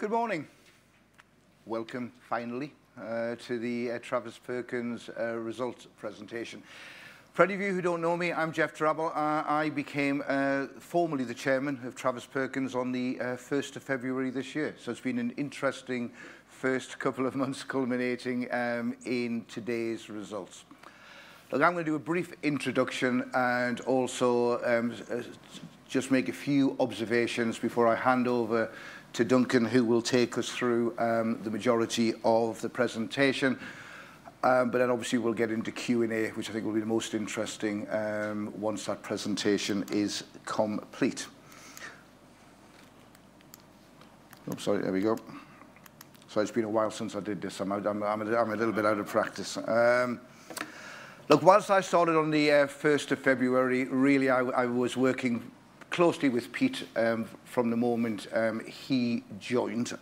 Good morning. Welcome, finally, to the Travis Perkins Results Presentation. For any of you who do not know me, I am Geoff Drabble. I became formally the Chairman of Travis Perkins on the 1st of February this year. It has been an interesting first couple of months culminating in today's results. Look, I am going to do a brief introduction and also just make a few observations before I hand over to Duncan, who will take us through the majority of the presentation. Obviously, we will get into Q&A, which I think will be the most interesting once that presentation is complete. Sorry, there we go. It has been a while since I did this. I am a little bit out of practice. Look, whilst I started on the 1st of February, really, I was working closely with Pete from the moment he joined.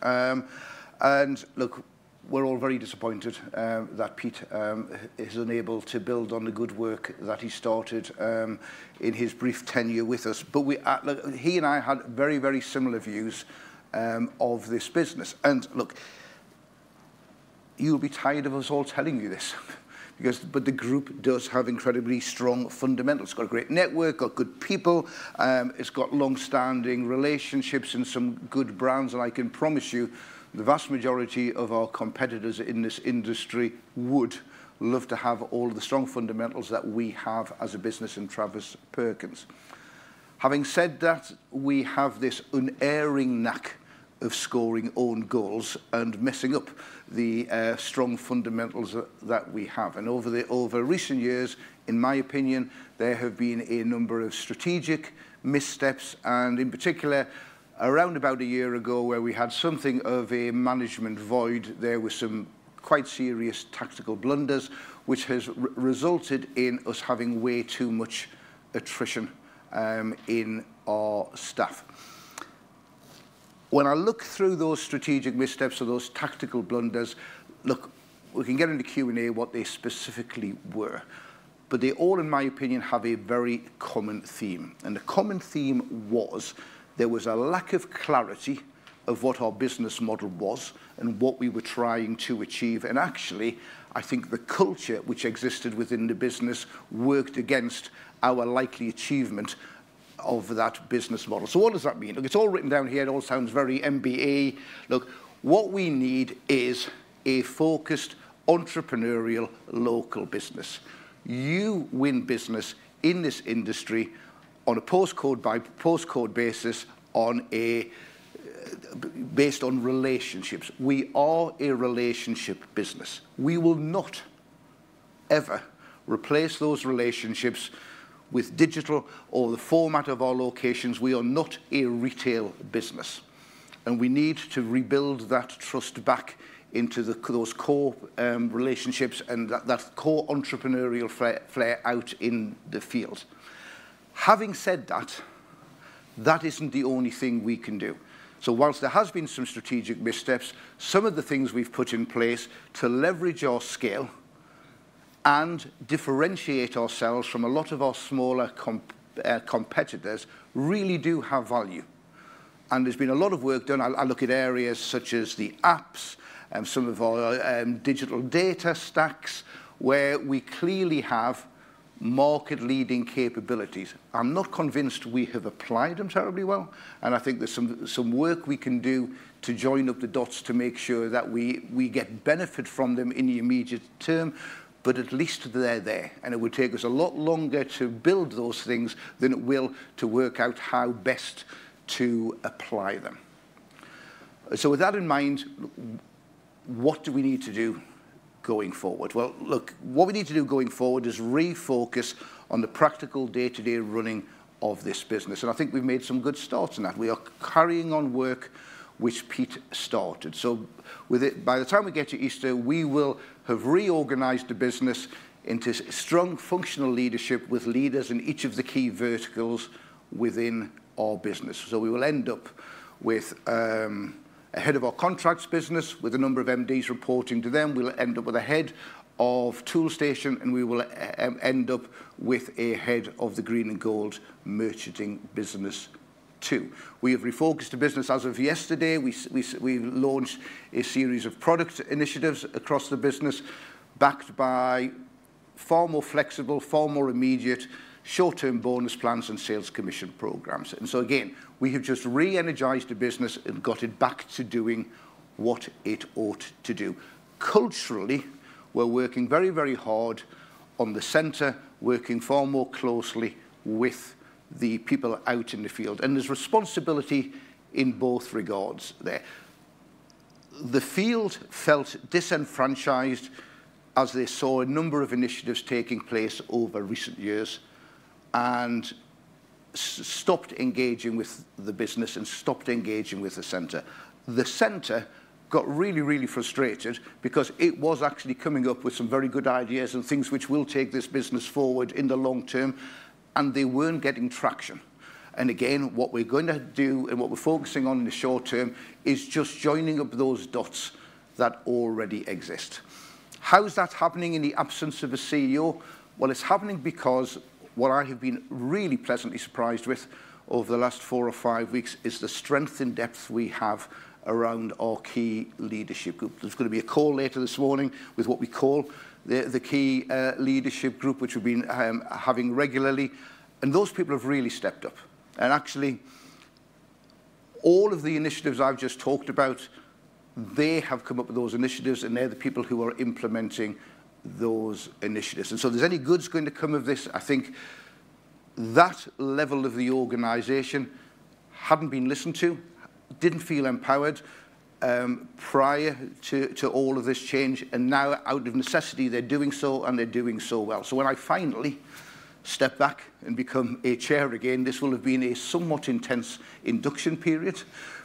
Look, we're all very disappointed that Pete has been able to build on the good work that he started in his brief tenure with us. He and I had very, very similar views of this business. Look, you'll be tired of us all telling you this, but the group does have incredibly strong fundamentals. It's got a great network, got good people, it's got long-standing relationships and some good brands. I can promise you, the vast majority of our competitors in this industry would love to have all of the strong fundamentals that we have as a business in Travis Perkins. Having said that, we have this unerring knack of scoring own goals and messing up the strong fundamentals that we have. Over recent years, in my opinion, there have been a number of strategic missteps. In particular, around about a year ago, where we had something of a management void, there were some quite serious tactical blunders, which has resulted in us having way too much attrition in our staff. When I look through those strategic missteps or those tactical blunders, look, we can get into Q&A what they specifically were. They all, in my opinion, have a very common theme. The common theme was there was a lack of clarity of what our business model was and what we were trying to achieve. Actually, I think the culture which existed within the business worked against our likely achievement of that business model. What does that mean? Look, it's all written down here. It all sounds very MBA. Look, what we need is a focused entrepreneurial local business. You win business in this industry on a postcode-by-postcode basis based on relationships. We are a relationship business. We will not ever replace those relationships with digital or the format of our locations. We are not a retail business. We need to rebuild that trust back into those core relationships and that core entrepreneurial flair out in the field. Having said that, that is not the only thing we can do. Whilst there have been some strategic missteps, some of the things we have put in place to leverage our scale and differentiate ourselves from a lot of our smaller competitors really do have value. There has been a lot of work done. I look at areas such as the apps and some of our digital data stacks where we clearly have market-leading capabilities. I am not convinced we have applied them terribly well. I think there's some work we can do to join up the dots to make sure that we get benefit from them in the immediate term. At least they're there. It would take us a lot longer to build those things than it will to work out how best to apply them. With that in mind, what do we need to do going forward? Look, what we need to do going forward is refocus on the practical day-to-day running of this business. I think we've made some good starts in that. We are carrying on work which Pete started. By the time we get to Easter, we will have reorganized the business into strong functional leadership with leaders in each of the key verticals within our business. We will end up with a head of our contracts business with a number of MDs reporting to them. We'll end up with a head of Toolstation, and we will end up with a head of the Green & Gold merchanting business too. We have refocused the business as of yesterday. We launched a series of product initiatives across the business backed by far more flexible, far more immediate short-term bonus plans and sales commission programs. We have just re-energized the business and got it back to doing what it ought to do. Culturally, we're working very, very hard on the center, working far more closely with the people out in the field. There's responsibility in both regards there. The field felt disenfranchised as they saw a number of initiatives taking place over recent years and stopped engaging with the business and stopped engaging with the center. The center got really, really frustrated because it was actually coming up with some very good ideas and things which will take this business forward in the long-term, and they were not getting traction. What we are going to do and what we are focusing on in the short-term is just joining up those dots that already exist. How is that happening in the absence of a CEO? It is happening because what I have been really pleasantly surprised with over the last four or five weeks is the strength and depth we have around our key leadership group. There is going to be a call later this morning with what we call the key leadership group, which we have been having regularly. Those people have really stepped up. Actually, all of the initiatives I have just talked about, they have come up with those initiatives, and they are the people who are implementing those initiatives. Is any good going to come of this? I think that level of the organization had not been listened to, did not feel empowered prior to all of this change. Now, out of necessity, they are doing so, and they are doing so well. When I finally step back and become a chair again, this will have been a somewhat intense induction period.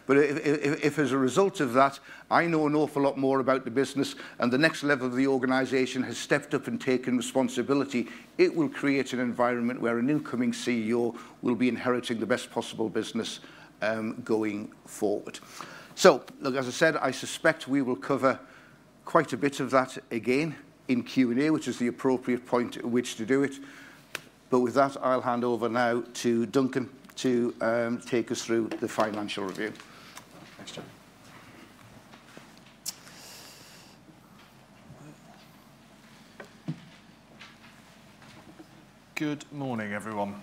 If as a result of that, I know an awful lot more about the business and the next level of the organization has stepped up and taken responsibility, it will create an environment where a newcoming CEO will be inheriting the best possible business going forward. Look, as I said, I suspect we will cover quite a bit of that again in Q&A, which is the appropriate point at which to do it. With that, I'll hand over now to Duncan to take us through the financial review. Thanks, Geoff. Good morning, everyone.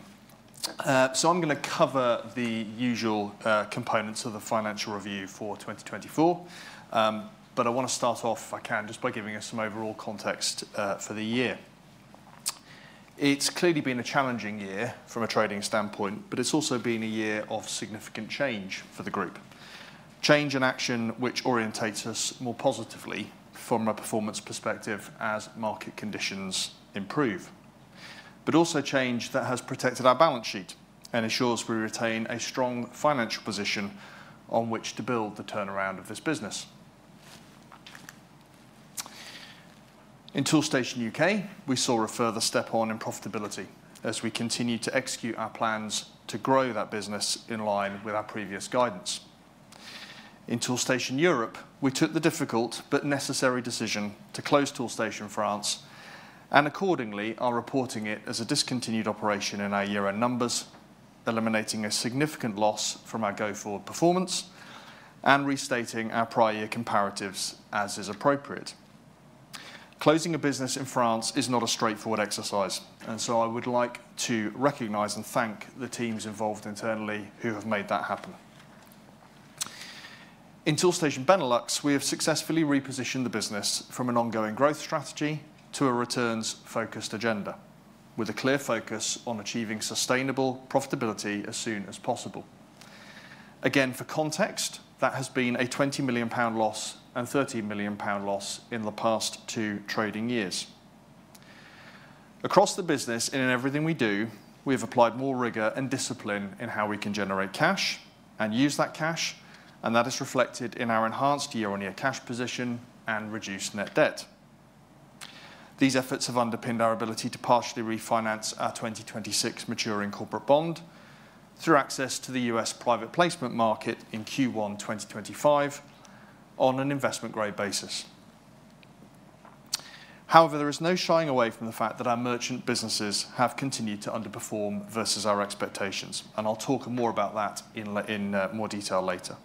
I am going to cover the usual components of the financial review for 2024. I want to start off, if I can, just by giving us some overall context for the year. It has clearly been a challenging year from a trading standpoint, but it has also been a year of significant change for the group. Change and action which orientates us more positively from a performance perspective as market conditions improve. Also, change that has protected our balance sheet and ensures we retain a strong financial position on which to build the turnaround of this business. In Toolstation U.K., we saw a further step on in profitability as we continued to execute our plans to grow that business in line with our previous guidance. In Toolstation Europe, we took the difficult but necessary decision to close Toolstation France, and accordingly, are reporting it as a discontinued operation in our year-end numbers, eliminating a significant loss from our go-forward performance and restating our prior year comparatives as is appropriate. Closing a business in France is not a straightforward exercise. I would like to recognize and thank the teams involved internally who have made that happen. In Toolstation Benelux, we have successfully repositioned the business from an ongoing growth strategy to a returns-focused agenda with a clear focus on achieving sustainable profitability as soon as possible. Again, for context, that has been a 20 million pound loss and 30 million pound loss in the past two trading years. Across the business and in everything we do, we have applied more rigor and discipline in how we can generate cash and use that cash. That is reflected in our enhanced year-on-year cash position and reduced net debt. These efforts have underpinned our ability to partially refinance our 2026 maturing corporate bond through access to the U.S. private placement market in Q1 2025 on an investment-grade basis. However, there is no shying away from the fact that our merchant businesses have continued to underperform versus our expectations. I'll talk more about that in more detail later.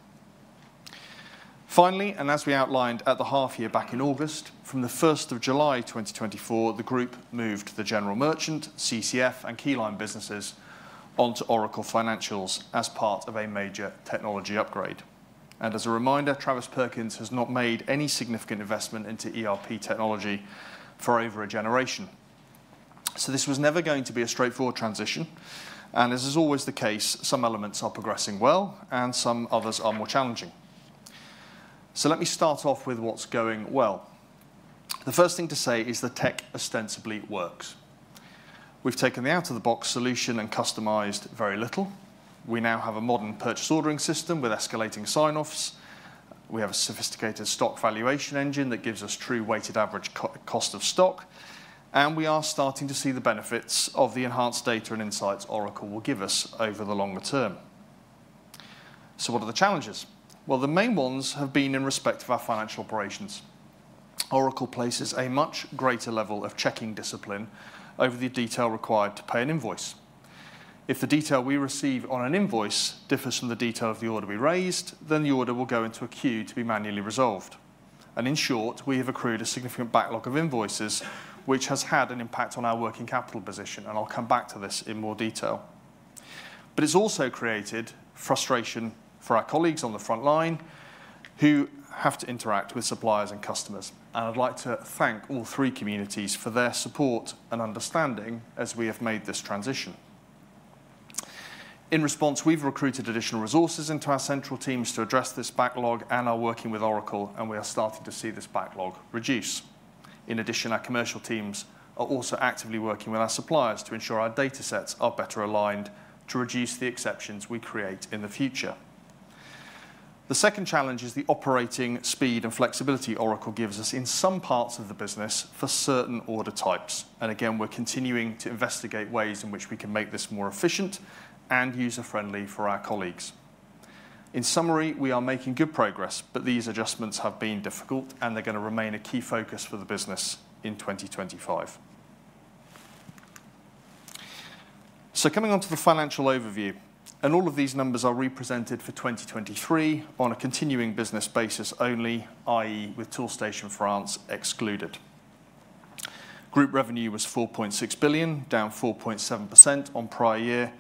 Finally, as we outlined at the half year back in August, from the 1st of July 2024, the group moved the general merchant, CCF, and Keyline businesses onto Oracle Financials as part of a major technology upgrade. As a reminder, Travis Perkins has not made any significant investment into ERP technology for over a generation. This was never going to be a straightforward transition. As is always the case, some elements are progressing well, and some others are more challenging. Let me start off with what's going well. The first thing to say is the tech ostensibly works. We've taken the out-of-the-box solution and customized very little. We now have a modern purchase ordering system with escalating sign-offs. We have a sophisticated stock valuation engine that gives us true weighted average cost of stock. We are starting to see the benefits of the enhanced data and insights Oracle will give us over the longer term. What are the challenges? The main ones have been in respect of our financial operations. Oracle places a much greater level of checking discipline over the detail required to pay an invoice. If the detail we receive on an invoice differs from the detail of the order we raised, the order will go into a queue to be manually resolved. In short, we have accrued a significant backlog of invoices, which has had an impact on our working capital position. I will come back to this in more detail. It has also created frustration for our colleagues on the front line who have to interact with suppliers and customers. I would like to thank all three communities for their support and understanding as we have made this transition. In response, we have recruited additional resources into our central teams to address this backlog and are working with Oracle, and we are starting to see this backlog reduce. In addition, our commercial teams are also actively working with our suppliers to ensure our data sets are better aligned to reduce the exceptions we create in the future. The second challenge is the operating speed and flexibility Oracle gives us in some parts of the business for certain order types. Again, we're continuing to investigate ways in which we can make this more efficient and user-friendly for our colleagues. In summary, we are making good progress, but these adjustments have been difficult, and they're going to remain a key focus for the business in 2025. Coming on to the financial overview, all of these numbers are represented for 2023 on a continuing business basis only, i.e., with Toolstation France excluded. Group revenue was 4.6 billion, down 4.7% on prior year,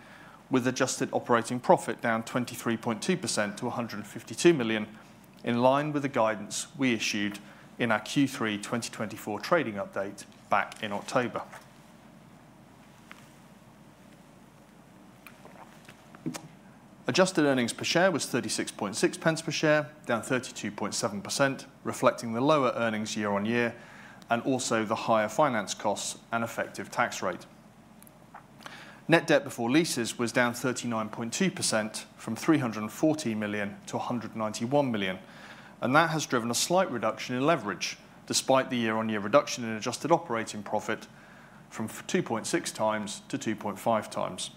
with adjusted operating profit down 23.2% to 152 million in line with the guidance we issued in our Q3 2024 trading update back in October. Adjusted earnings per share was 36.6 pence per share, down 32.7%, reflecting the lower earnings year-on-year and also the higher finance costs and effective tax rate. Net debt before leases was down 39.2% from 340 million to 191 million. That has driven a slight reduction in leverage despite the year-on-year reduction in adjusted operating profit from 2.6x to 2.5x.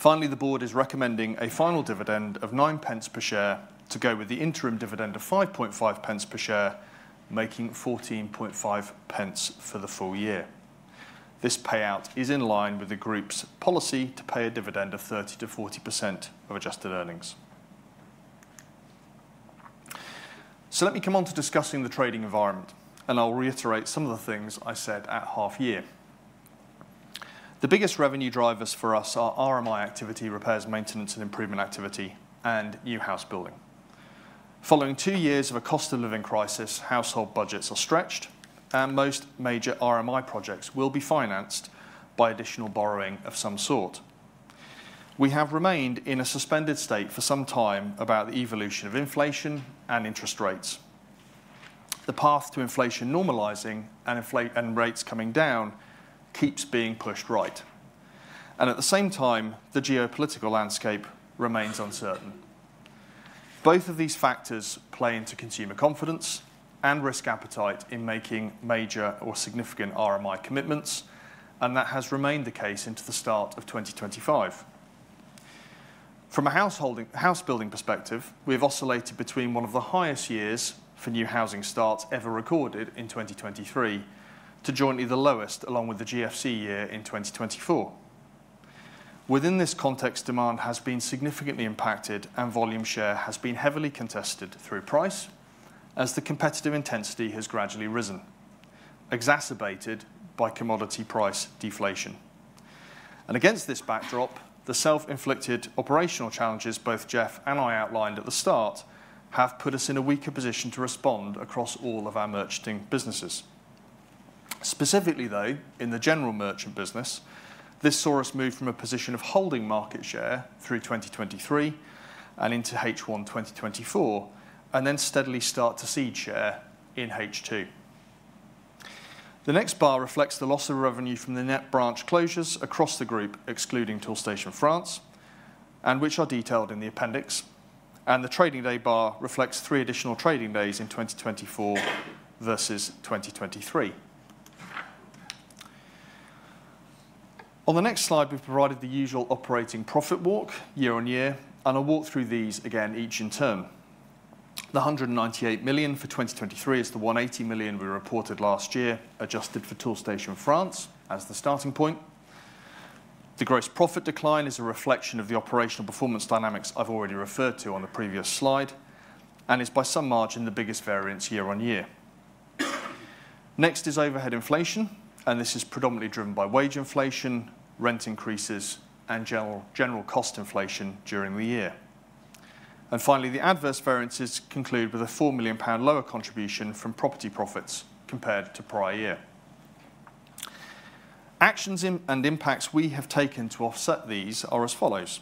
Finally, the board is recommending a final dividend of 9 pence per share to go with the interim dividend of 5.5 pence per share, making 14.5 pence for the full year. This payout is in line with the group's policy to pay a dividend of 30%-40% of adjusted earnings. Let me come on to discussing the trading environment, and I'll reiterate some of the things I said at half year. The biggest revenue drivers for us are RMI activity, repairs, maintenance, and improvement activity, and new house building. Following two years of a cost of living crisis, household budgets are stretched, and most major RMI projects will be financed by additional borrowing of some sort. We have remained in a suspended state for some time about the evolution of inflation and interest rates. The path to inflation normalizing and rates coming down keeps being pushed right. At the same time, the geopolitical landscape remains uncertain. Both of these factors play into consumer confidence and risk appetite in making major or significant RMI commitments, and that has remained the case into the start of 2025. From a house-building perspective, we have oscillated between one of the highest years for new housing starts ever recorded in 2023 to jointly the lowest along with the GFC year in 2024. Within this context, demand has been significantly impacted, and volume share has been heavily contested through price as the competitive intensity has gradually risen, exacerbated by commodity price deflation. Against this backdrop, the self-inflicted operational challenges both Geoff and I outlined at the start have put us in a weaker position to respond across all of our merchanting businesses. Specifically, though, in the general merchant business, this saw us move from a position of holding market share through 2023 and into H1 2024, and then steadily start to seed share in H2. The next bar reflects the loss of revenue from the net branch closures across the group, excluding Toolstation France, and which are detailed in the appendix. The trading day bar reflects three additional trading days in 2024 versus 2023. On the next slide, we've provided the usual operating profit walk year-on-year, and I'll walk through these again each in turn. The 198 million for 2023 is the 180 million we reported last year, adjusted for Toolstation France as the starting point. The gross profit decline is a reflection of the operational performance dynamics I've already referred to on the previous slide and is by some margin the biggest variance year-on-year. Next is overhead inflation, and this is predominantly driven by wage inflation, rent increases, and general cost inflation during the year. Finally, the adverse variances conclude with a 4 million pound lower contribution from property profits compared to prior year. Actions and impacts we have taken to offset these are as follows.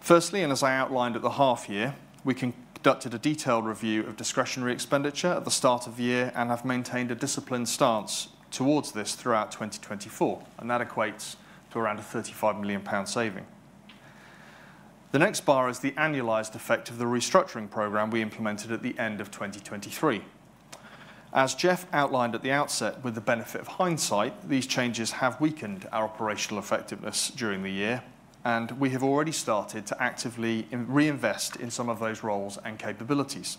Firstly, and as I outlined at the half year, we conducted a detailed review of discretionary expenditure at the start of the year and have maintained a disciplined stance towards this throughout 2024. That equates to around a 35 million pound saving. The next bar is the annualized effect of the restructuring program we implemented at the end of 2023. As Geoff outlined at the outset, with the benefit of hindsight, these changes have weakened our operational effectiveness during the year, and we have already started to actively reinvest in some of those roles and capabilities.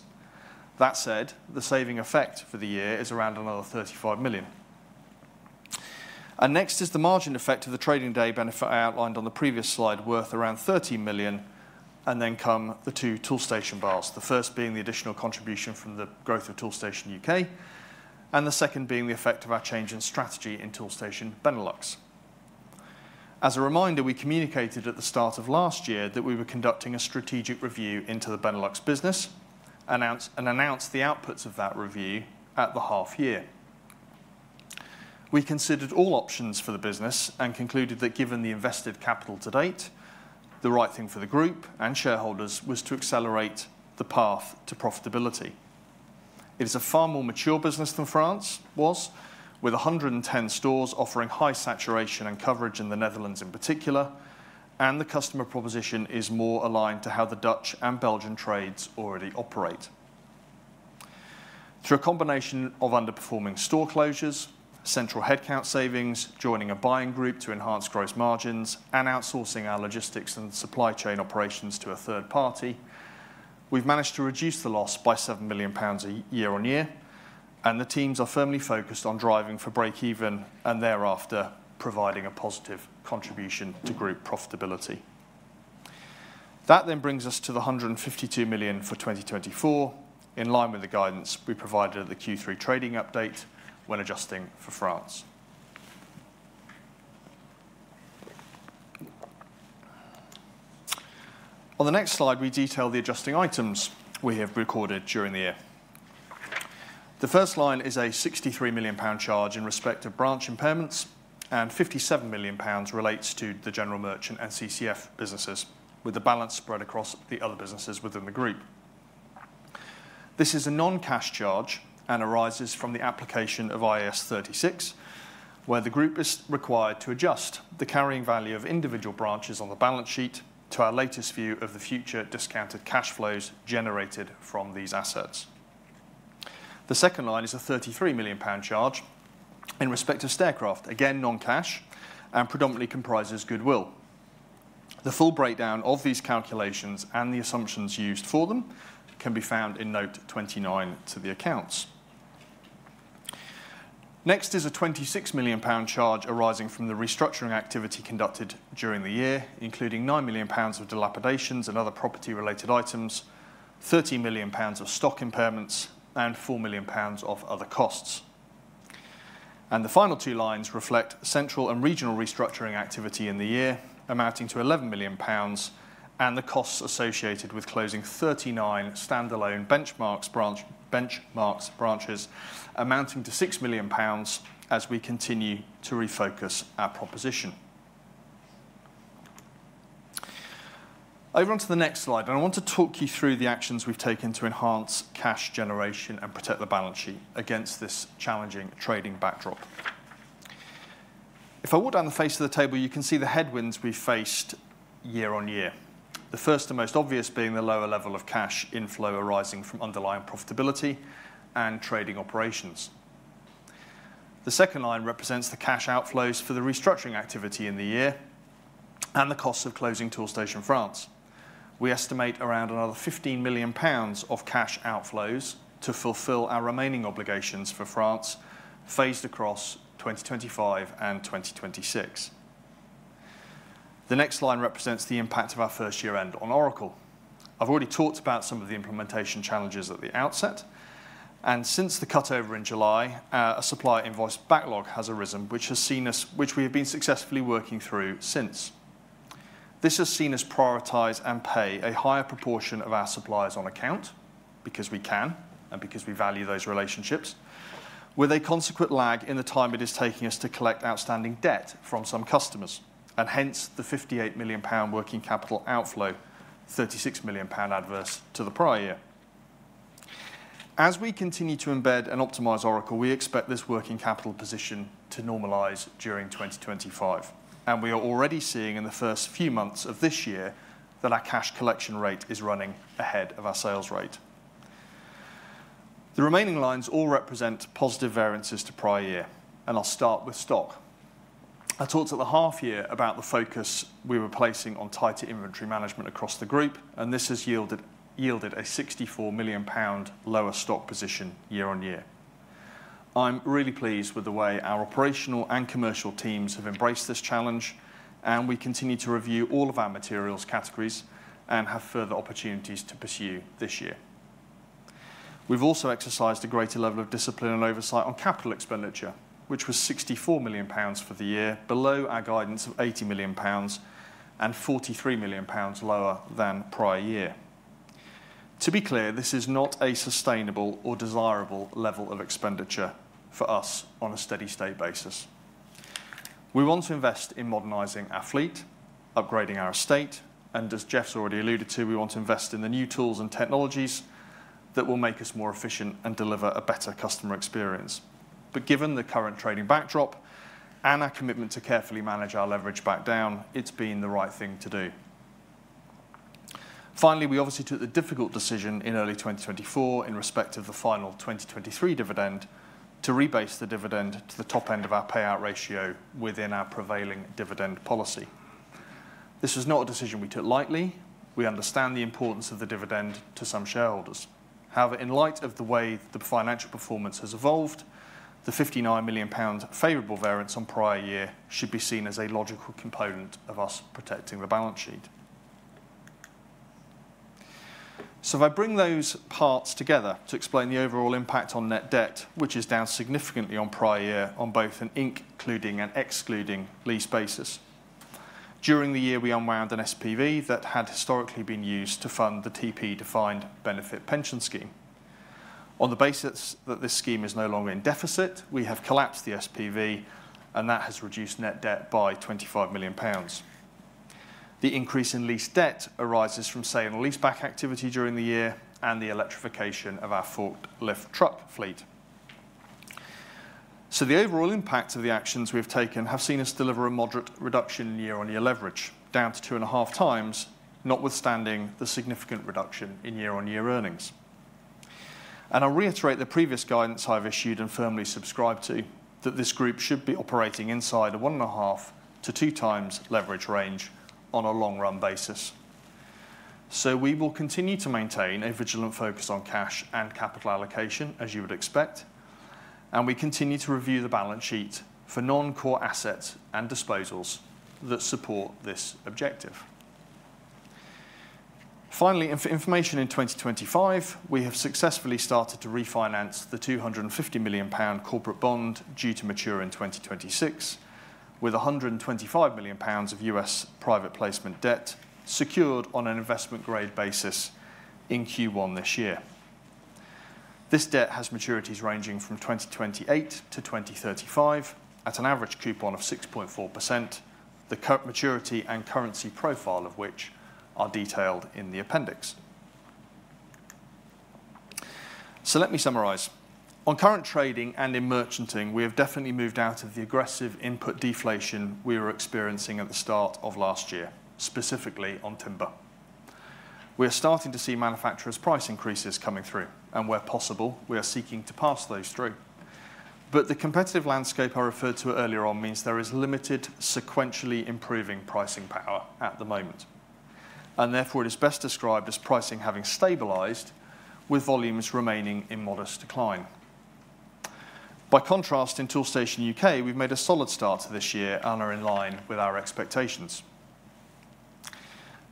That said, the saving effect for the year is around another 35 million. Next is the margin effect of the trading day benefit I outlined on the previous slide, worth around 30 million. Then come the two Toolstation bars, the first being the additional contribution from the growth of Toolstation U.K., and the second being the effect of our change in strategy in Toolstation Benelux. As a reminder, we communicated at the start of last year that we were conducting a strategic review into the Benelux business and announced the outputs of that review at the half year. We considered all options for the business and concluded that given the invested capital to date, the right thing for the group and shareholders was to accelerate the path to profitability. It is a far more mature business than France was, with 110 stores offering high saturation and coverage in the Netherlands in particular, and the customer proposition is more aligned to how the Dutch and Belgian trades already operate. Through a combination of underperforming store closures, central headcount savings, joining a buying group to enhance gross margins, and outsourcing our logistics and supply chain operations to a third party, we've managed to reduce the loss by 7 million pounds year-on-year, and the teams are firmly focused on driving for break-even and thereafter providing a positive contribution to group profitability. That then brings us to the 152 million for 2024 in line with the guidance we provided at the Q3 trading update when adjusting for France. On the next slide, we detail the adjusting items we have recorded during the year. The first line is a 63 million pound charge in respect of branch impairments, and 57 million pounds relates to the general merchant and CCF businesses, with the balance spread across the other businesses within the group. This is a non-cash charge and arises from the application of IAS 36, where the group is required to adjust the carrying value of individual branches on the balance sheet to our latest view of the future discounted cash flows generated from these assets. The second line is a 33 million pound charge in respect of Staircraft, again non-cash, and predominantly comprises goodwill. The full breakdown of these calculations and the assumptions used for them can be found in note 29 to the accounts. Next is a 26 million pound charge arising from the restructuring activity conducted during the year, including 9 million pounds of dilapidations and other property-related items, 30 million pounds of stock impairments, and 4 million pounds of other costs. The final two lines reflect central and regional restructuring activity in the year, amounting to 11 million pounds, and the costs associated with closing 39 standalone Benchmarx branches amounting to 6 million pounds as we continue to refocus our proposition. Over on to the next slide, I want to talk you through the actions we've taken to enhance cash generation and protect the balance sheet against this challenging trading backdrop. If I walk down the face of the table, you can see the headwinds we've faced year-on-year, the first and most obvious being the lower level of cash inflow arising from underlying profitability and trading operations. The second line represents the cash outflows for the restructuring activity in the year and the costs of closing Toolstation France. We estimate around another 15 million pounds of cash outflows to fulfill our remaining obligations for France phased across 2025 and 2026. The next line represents the impact of our first year-end on Oracle. I have already talked about some of the implementation challenges at the outset. Since the cutover in July, a supplier invoice backlog has arisen, which we have been successfully working through since. This has seen us prioritize and pay a higher proportion of our suppliers on account because we can and because we value those relationships, with a consequent lag in the time it is taking us to collect outstanding debt from some customers, and hence the 58 million pound working capital outflow, 36 million pound adverse to the prior year. As we continue to embed and optimize Oracle, we expect this working capital position to normalize during 2025. We are already seeing in the first few months of this year that our cash collection rate is running ahead of our sales rate. The remaining lines all represent positive variances to prior year, and I'll start with stock. I talked at the half year about the focus we were placing on tighter inventory management across the group, and this has yielded a 64 million pound lower stock position year-on-year. I'm really pleased with the way our operational and commercial teams have embraced this challenge, and we continue to review all of our materials categories and have further opportunities to pursue this year. We've also exercised a greater level of discipline and oversight on capital expenditure, which was 64 million pounds for the year, below our guidance of 80 million pounds and 43 million pounds lower than prior year. To be clear, this is not a sustainable or desirable level of expenditure for us on a steady-state basis. We want to invest in modernizing our fleet, upgrading our estate, and as Geoff's already alluded to, we want to invest in the new tools and technologies that will make us more efficient and deliver a better customer experience. Given the current trading backdrop and our commitment to carefully manage our leverage back down, it's been the right thing to do. Finally, we obviously took the difficult decision in early 2024 in respect of the final 2023 dividend to rebase the dividend to the top end of our payout ratio within our prevailing dividend policy. This was not a decision we took lightly. We understand the importance of the dividend to some shareholders. However, in light of the way the financial performance has evolved, the 59 million pounds favorable variance on prior year should be seen as a logical component of us protecting the balance sheet. If I bring those parts together to explain the overall impact on net debt, which is down significantly on prior year on both an including and excluding lease basis. During the year, we unwound an SPV that had historically been used to fund the TP-defined benefit pension scheme. On the basis that this scheme is no longer in deficit, we have collapsed the SPV, and that has reduced net debt by 25 million pounds. The increase in lease debt arises from sale and lease-back activity during the year and the electrification of our forklift truck fleet. The overall impact of the actions we have taken has seen us deliver a moderate reduction in year-on-year leverage, down to 2.5x, notwithstanding the significant reduction in year-on-year earnings. I will reiterate the previous guidance I have issued and firmly subscribe to that this group should be operating inside a 1.5-2 times leverage range on a long-run basis. We will continue to maintain a vigilant focus on cash and capital allocation, as you would expect, and we continue to review the balance sheet for non-core assets and disposals that support this objective. Finally, for information in 2025, we have successfully started to refinance the 250 million pound corporate bond due to mature in 2026, with 125 million pounds of U.S. private placement debt secured on an investment-grade basis in Q1 this year. This debt has maturities ranging from 2028-2035 at an average coupon of 6.4%, the maturity and currency profile of which are detailed in the appendix. Let me summarize. On current trading and in merchanting, we have definitely moved out of the aggressive input deflation we were experiencing at the start of last year, specifically on timber. We are starting to see manufacturers' price increases coming through, and where possible, we are seeking to pass those through. The competitive landscape I referred to earlier on means there is limited sequentially improving pricing power at the moment, and therefore it is best described as pricing having stabilized with volumes remaining in modest decline. By contrast, in Toolstation U.K., we've made a solid start to this year and are in line with our expectations.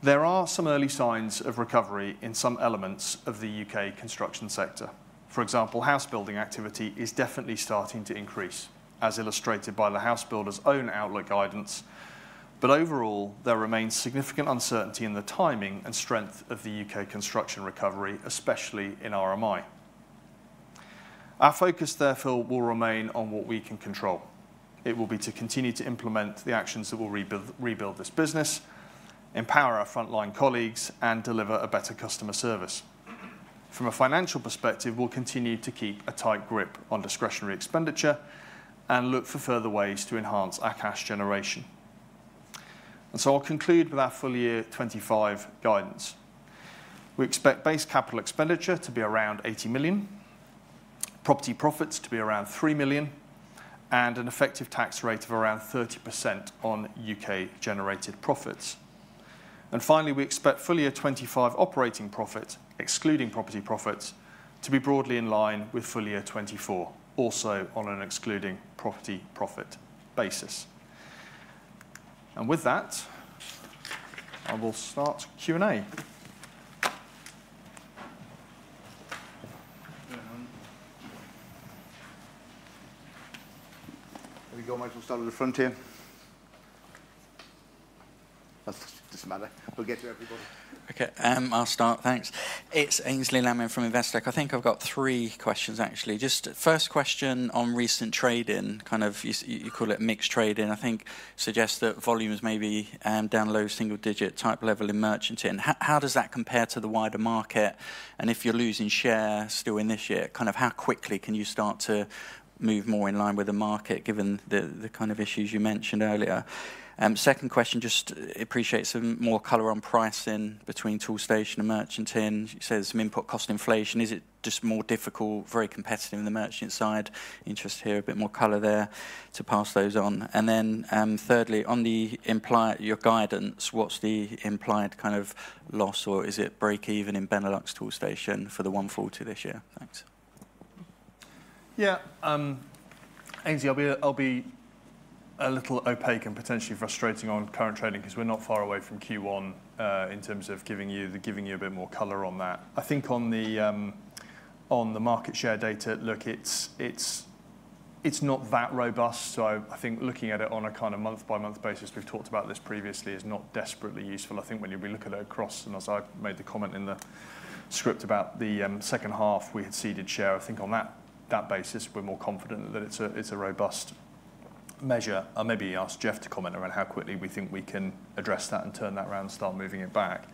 There are some early signs of recovery in some elements of the U.K. construction sector. For example, house building activity is definitely starting to increase, as illustrated by the House Builders' own outlook guidance. However, overall, there remains significant uncertainty in the timing and strength of the U.K. construction recovery, especially in RMI. Our focus, therefore, will remain on what we can control. It will be to continue to implement the actions that will rebuild this business, empower our frontline colleagues, and deliver a better customer service. From a financial perspective, we'll continue to keep a tight grip on discretionary expenditure and look for further ways to enhance our cash generation. I will conclude with our full year 2025 guidance. We expect base capital expenditure to be around 80 million, property profits to be around 3 million, and an effective tax rate of around 30% on U.K.-generated profits. Finally, we expect full year 2025 operating profit, excluding property profits, to be broadly in line with full year 2024, also on an excluding property profit basis. With that, I will start Q&A. Here we go. Might as well start at the front here. Doesn't matter. We'll get to everybody. Okay. I'll start. Thanks. It's Ainsley Lammon from Investec. I think I've got three questions, actually. First question on recent trading, kind of you call it mixed trading. I think suggests that volumes may be down low single-digit type level in merchanting. How does that compare to the wider market? If you're losing share still in this year, kind of how quickly can you start to move more in line with the market given the kind of issues you mentioned earlier? Second question, just appreciate some more color on pricing between Toolstation and merchanting. You said some input cost inflation. Is it just more difficult, very competitive in the merchant side? Interest here, a bit more color there to pass those on. Thirdly, on the implied your guidance, what's the implied kind of loss or is it break-even in Benelux Toolstation for the 140 this year? Thanks. Yeah. Ainsley, I'll be a little opaque and potentially frustrating on current trading because we're not far away from Q1 in terms of giving you a bit more color on that. I think on the market share data look, it's not that robust. I think looking at it on a kind of month-by-month basis, we've talked about this previously, is not desperately useful. I think when you look at it across, and as I made the comment in the script about the second half, we had ceded share. I think on that basis, we're more confident that it's a robust measure. I maybe ask Geoff to comment around how quickly we think we can address that and turn that around and start moving it back.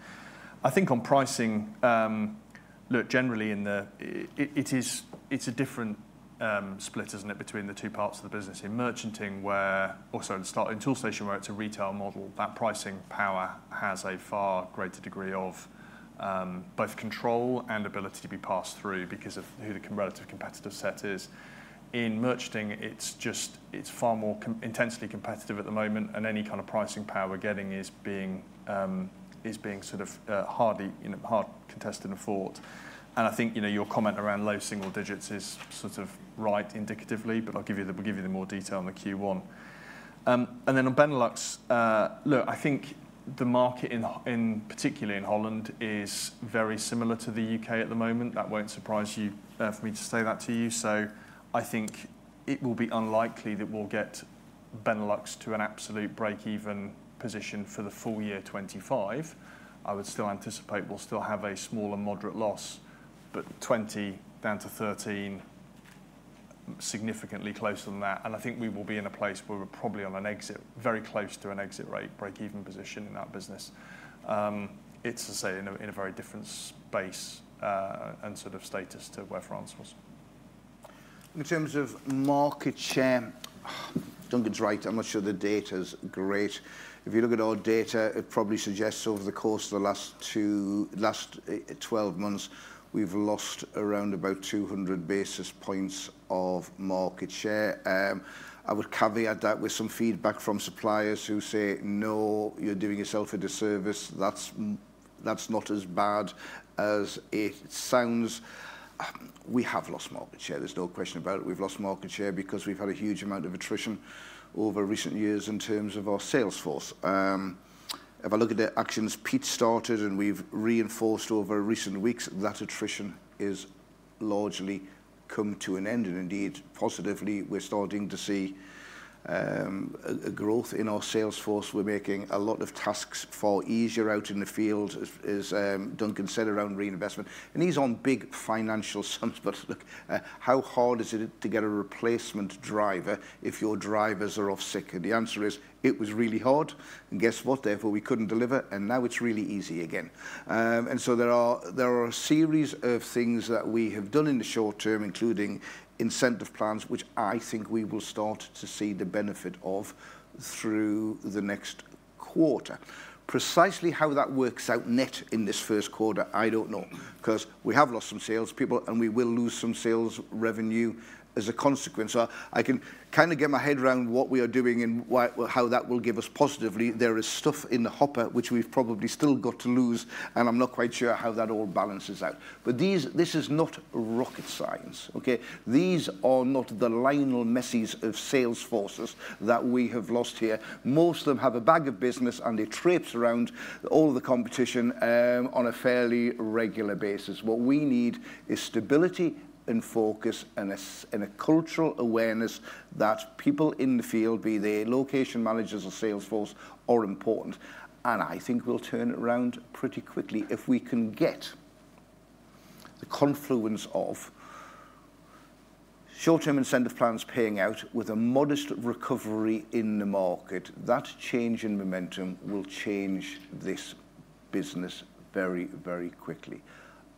I think on pricing, look, generally in the it's a different split, isn't it, between the two parts of the business. In merchanting, where also in Toolstation, where it's a retail model, that pricing power has a far greater degree of both control and ability to be passed through because of who the relative competitive set is. In merchanting, it's far more intensely competitive at the moment, and any kind of pricing power we're getting is being sort of hardly contested and fought. I think your comment around low single digits is sort of right indicatively, but I'll give you the more detail on the Q1. On Benelux, look, I think the market, particularly in Holland, is very similar to the U.K. at the moment. That will not surprise you for me to say that to you. I think it will be unlikely that we will get Benelux to an absolute break-even position for the full year 2025. I would still anticipate we will still have a small and moderate loss, but 20 down to 13, significantly closer than that. I think we will be in a place where we are probably on an exit, very close to an exit rate break-even position in that business. It is to say in a very different space and sort of status to where France was. In terms of market share, [Duncan is right]. I am not sure the data is great. If you look at our data, it probably suggests over the course of the last 12 months, we've lost around about 200 basis points of market share. I would caveat that with some feedback from suppliers who say, "No, you're doing yourself a disservice." That's not as bad as it sounds. We have lost market share. There's no question about it. We've lost market share because we've had a huge amount of attrition over recent years in terms of our sales force. If I look at the actions Pete started and we've reinforced over recent weeks, that attrition has largely come to an end. Indeed, positively, we're starting to see growth in our sales force. We're making a lot of tasks fall easier out in the field, as Duncan said, around reinvestment. He's on big financial sums, but look, how hard is it to get a replacement driver if your drivers are off sick? The answer is, it was really hard. Guess what? Therefore, we couldn't deliver, and now it's really easy again. There are a series of things that we have done in the short-term, including incentive plans, which I think we will start to see the benefit of through the next quarter. Precisely how that works out net in this first quarter, I don't know, because we have lost some salespeople, and we will lose some sales revenue as a consequence. I can kind of get my head around what we are doing and how that will give us positively. There is stuff in the hopper, which we've probably still got to lose, and I'm not quite sure how that all balances out. This is not rocket science, okay? These are not the Lionel Messi's of sales forces that we have lost here. Most of them have a bag of business, and it traipses around all the competition on a fairly regular basis. What we need is stability and focus and a cultural awareness that people in the field, be they location managers or sales force, are important. I think we'll turn it around pretty quickly if we can get the confluence of short-term incentive plans paying out with a modest recovery in the market. That change in momentum will change this business very, very quickly.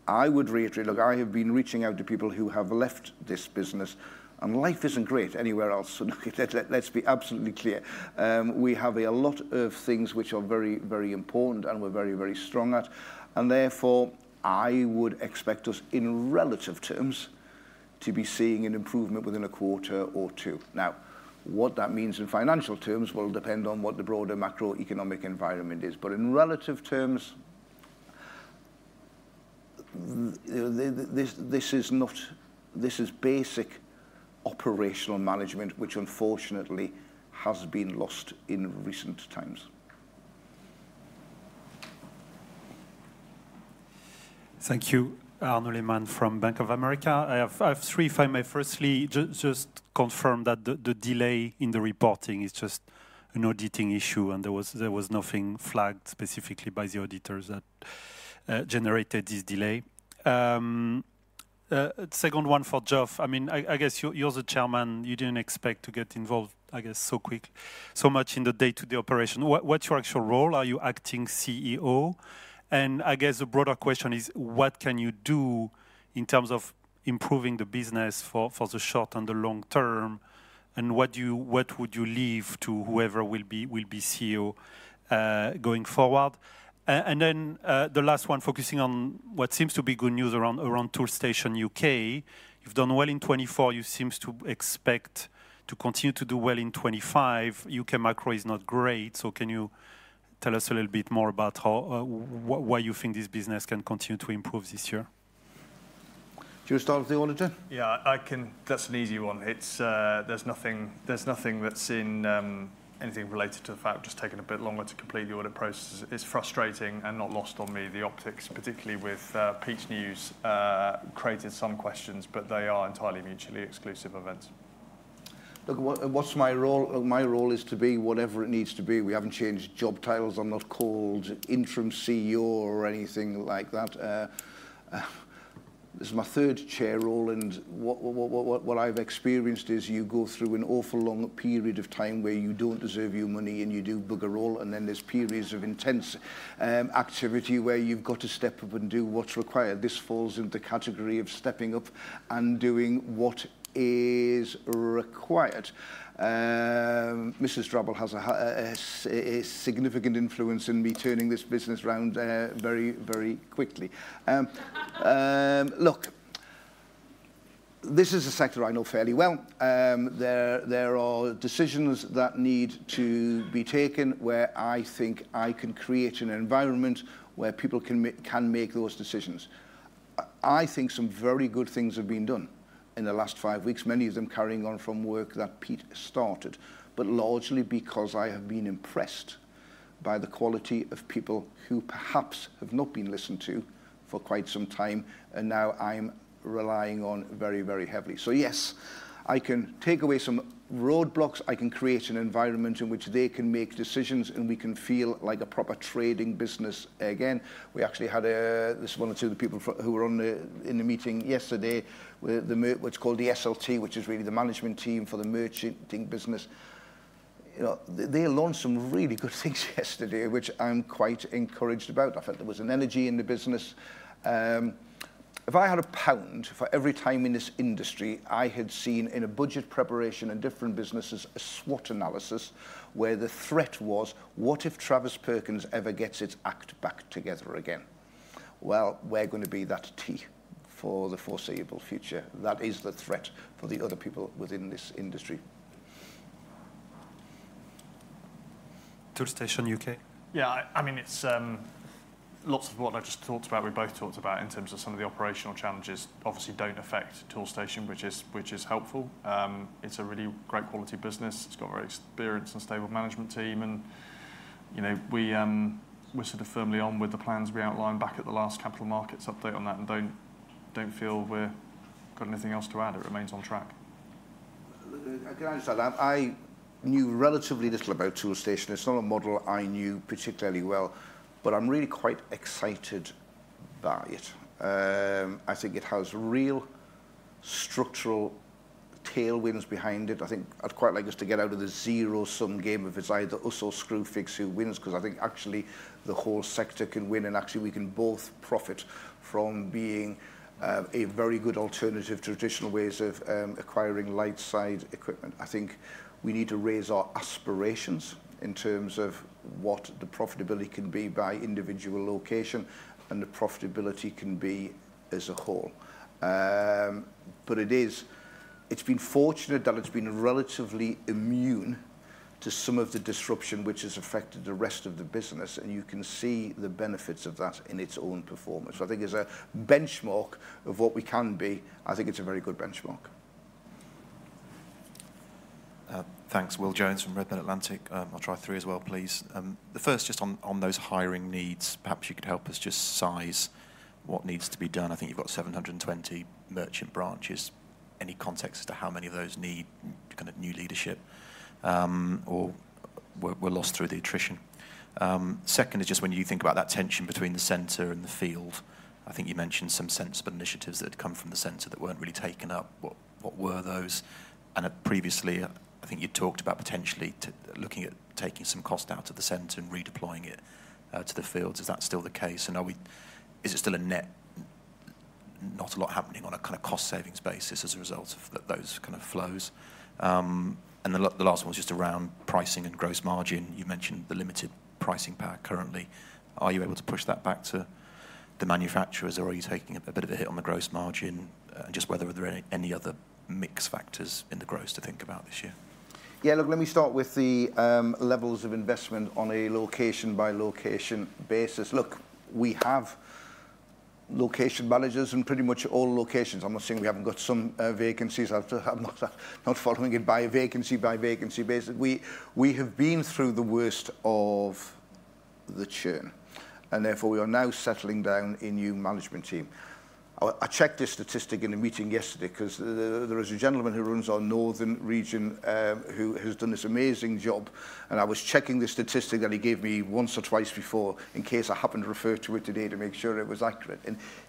I would reiterate, look, I have been reaching out to people who have left this business, and life is not great anywhere else. Let's be absolutely clear. We have a lot of things which are very, very important and we're very, very strong at. Therefore, I would expect us in relative terms to be seeing an improvement within a quarter or two. Now, what that means in financial terms will depend on what the broader macroeconomic environment is. In relative terms, this is basic operational management, which unfortunately has been lost in recent times. Thank you, Arnaud Lehmann from Bank of America. I have three findings. Firstly, just confirm that the delay in the reporting is just an auditing issue, and there was nothing flagged specifically by the auditors that generated this delay. Second one for Geoff. I mean, I guess you're the Chairman. You didn't expect to get involved, I guess, so quick, so much in the day-to-day operation. What's your actual role? Are you acting CEO? I guess the broader question is, what can you do in terms of improving the business for the short and the long-term? What would you leave to whoever will be CEO going forward? The last one, focusing on what seems to be good news around Toolstation U.K.. You've done well in 2024. You seem to expect to continue to do well in 2025. U.K. macro is not great. Can you tell us a little bit more about why you think this business can continue to improve this year? Do you want to start with the auditor? Yeah, I can. That's an easy one. There's nothing that's in anything related to the fact we're just taking a bit longer to complete the audit process. It's frustrating and not lost on me. The optics, particularly with Pete's news, created some questions, but they are entirely mutually exclusive events. Look, what's my role? My role is to be whatever it needs to be. We haven't changed job titles. I'm not called interim CEO or anything like that. This is my third chair role. What I've experienced is you go through an awful long period of time where you don't deserve your money and you do bugger all. Then there are periods of intense activity where you've got to step up and do what's required. This falls into the category of stepping up and doing what is required. Mrs. Drabble has a significant influence in me turning this business around very, very quickly. Look, this is a sector I know fairly well. There are decisions that need to be taken where I think I can create an environment where people can make those decisions. I think some very good things have been done in the last five weeks, many of them carrying on from work that Pete started, but largely because I have been impressed by the quality of people who perhaps have not been listened to for quite some time, and now I'm relying on very, very heavily. Yes, I can take away some roadblocks. I can create an environment in which they can make decisions, and we can feel like a proper trading business again. We actually had this one or two of the people who were in the meeting yesterday, what's called the SLT, which is really the management team for the merchanting business. They learned some really good things yesterday, which I'm quite encouraged about. I felt there was an energy in the business. If I had a pound for every time in this industry I had seen in a budget preparation in different businesses a SWOT analysis where the threat was, what if Travis Perkins ever gets its act back together again? We are going to be that T for the foreseeable future. That is the threat for the other people within this industry. Toolstation U.K. Yeah, I mean, it is lots of what I just talked about, we both talked about in terms of some of the operational challenges obviously do not affect Toolstation, which is helpful. It is a really great quality business. It has got a very experienced and stable management team. We are sort of firmly on with the plans we outlined back at the last capital markets update on that, and do not feel we have got anything else to add. It remains on track. I can answer that. I knew relatively little about Toolstation. It's not a model I knew particularly well, but I'm really quite excited by it. I think it has real structural tailwinds behind it. I think I'd quite like us to get out of the zero-sum game of it's either us or Screwfix who wins, because I think actually the whole sector can win, and actually we can both profit from being a very good alternative to traditional ways of acquiring light-side equipment. I think we need to raise our aspirations in terms of what the profitability can be by individual location, and the profitability can be as a whole. It's been fortunate that it's been relatively immune to some of the disruption which has affected the rest of the business, and you can see the benefits of that in its own performance. I think as a benchmark of what we can be, I think it's a very good benchmark. Thanks. Will Jones from Redburn Atlantic. I'll try three as well, please. The first, just on those hiring needs, perhaps you could help us just size what needs to be done. I think you've got 720 merchant branches. Any context as to how many of those need kind of new leadership, or were lost through the attrition? Second is just when you think about that tension between the center and the field. I think you mentioned some sense of initiatives that had come from the center that weren't really taken up. What were those? Previously, I think you'd talked about potentially looking at taking some cost out of the center and redeploying it to the fields. Is that still the case? Is it still a net not a lot happening on a kind of cost-savings basis as a result of those kind of flows? The last one was just around pricing and gross margin. You mentioned the limited pricing power currently. Are you able to push that back to the manufacturers, or are you taking a bit of a hit on the gross margin? Just whether there are any other mixed factors in the gross to think about this year? Yeah, look, let me start with the levels of investment on a location-by-location basis. We have location managers in pretty much all locations. I'm not saying we haven't got some vacancies. I'm not following it by vacancy-by-vacancy basis. We have been through the worst of the churn, and therefore we are now settling down a new management team. I checked this statistic in a meeting yesterday because there is a gentleman who runs our northern region who has done this amazing job. I was checking the statistic that he gave me once or twice before in case I happened to refer to it today to make sure it was accurate.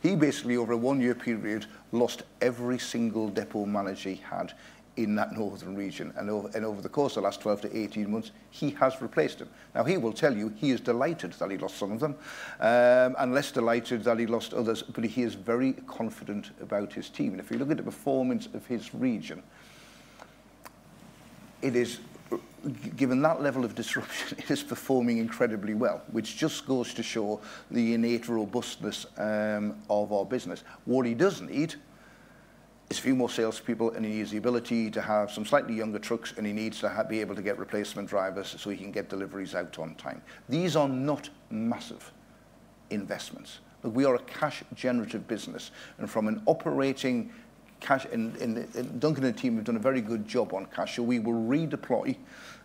He basically, over a one-year period, lost every single depot manager he had in that northern region. Over the course of the last 12 months-18 months, he has replaced them. He will tell you he is delighted that he lost some of them and less delighted that he lost others, but he is very confident about his team. If you look at the performance of his region, given that level of disruption, it is performing incredibly well, which just goes to show the innate robustness of our business. What he does need is a few more salespeople and an easy ability to have some slightly younger trucks, and he needs to be able to get replacement drivers so he can get deliveries out on time. These are not massive investments. We are a cash-generative business. From an operating cash, Duncan and team have done a very good job on cash. We will redeploy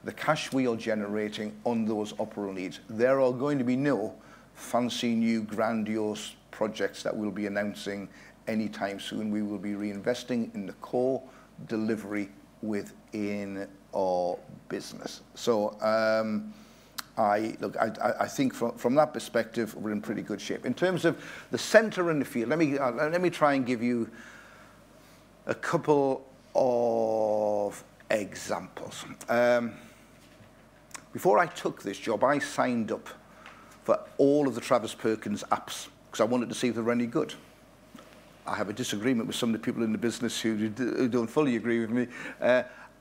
the cash we are generating on those operating needs. There are going to be no fancy new grandiose projects that we'll be announcing anytime soon. We will be reinvesting in the core delivery within our business. I think from that perspective, we're in pretty good shape. In terms of the center and the field, let me try and give you a couple of examples. Before I took this job, I signed up for all of the Travis Perkins apps because I wanted to see if they were any good. I have a disagreement with some of the people in the business who do not fully agree with me.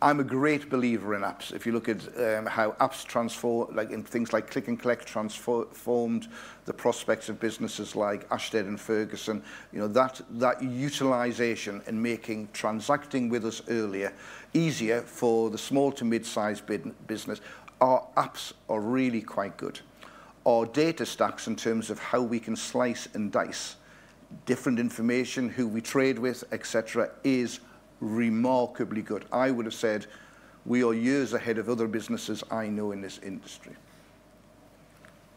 I am a great believer in apps. If you look at how apps transform, like things like Click and Collect transformed the prospects of businesses like Ashtead and Ferguson, that utilization and making transacting with us earlier easier for the small to mid-sized business, our apps are really quite good. Our data stacks in terms of how we can slice and dice different information, who we trade with, etc., is remarkably good. I would have said we are years ahead of other businesses I know in this industry.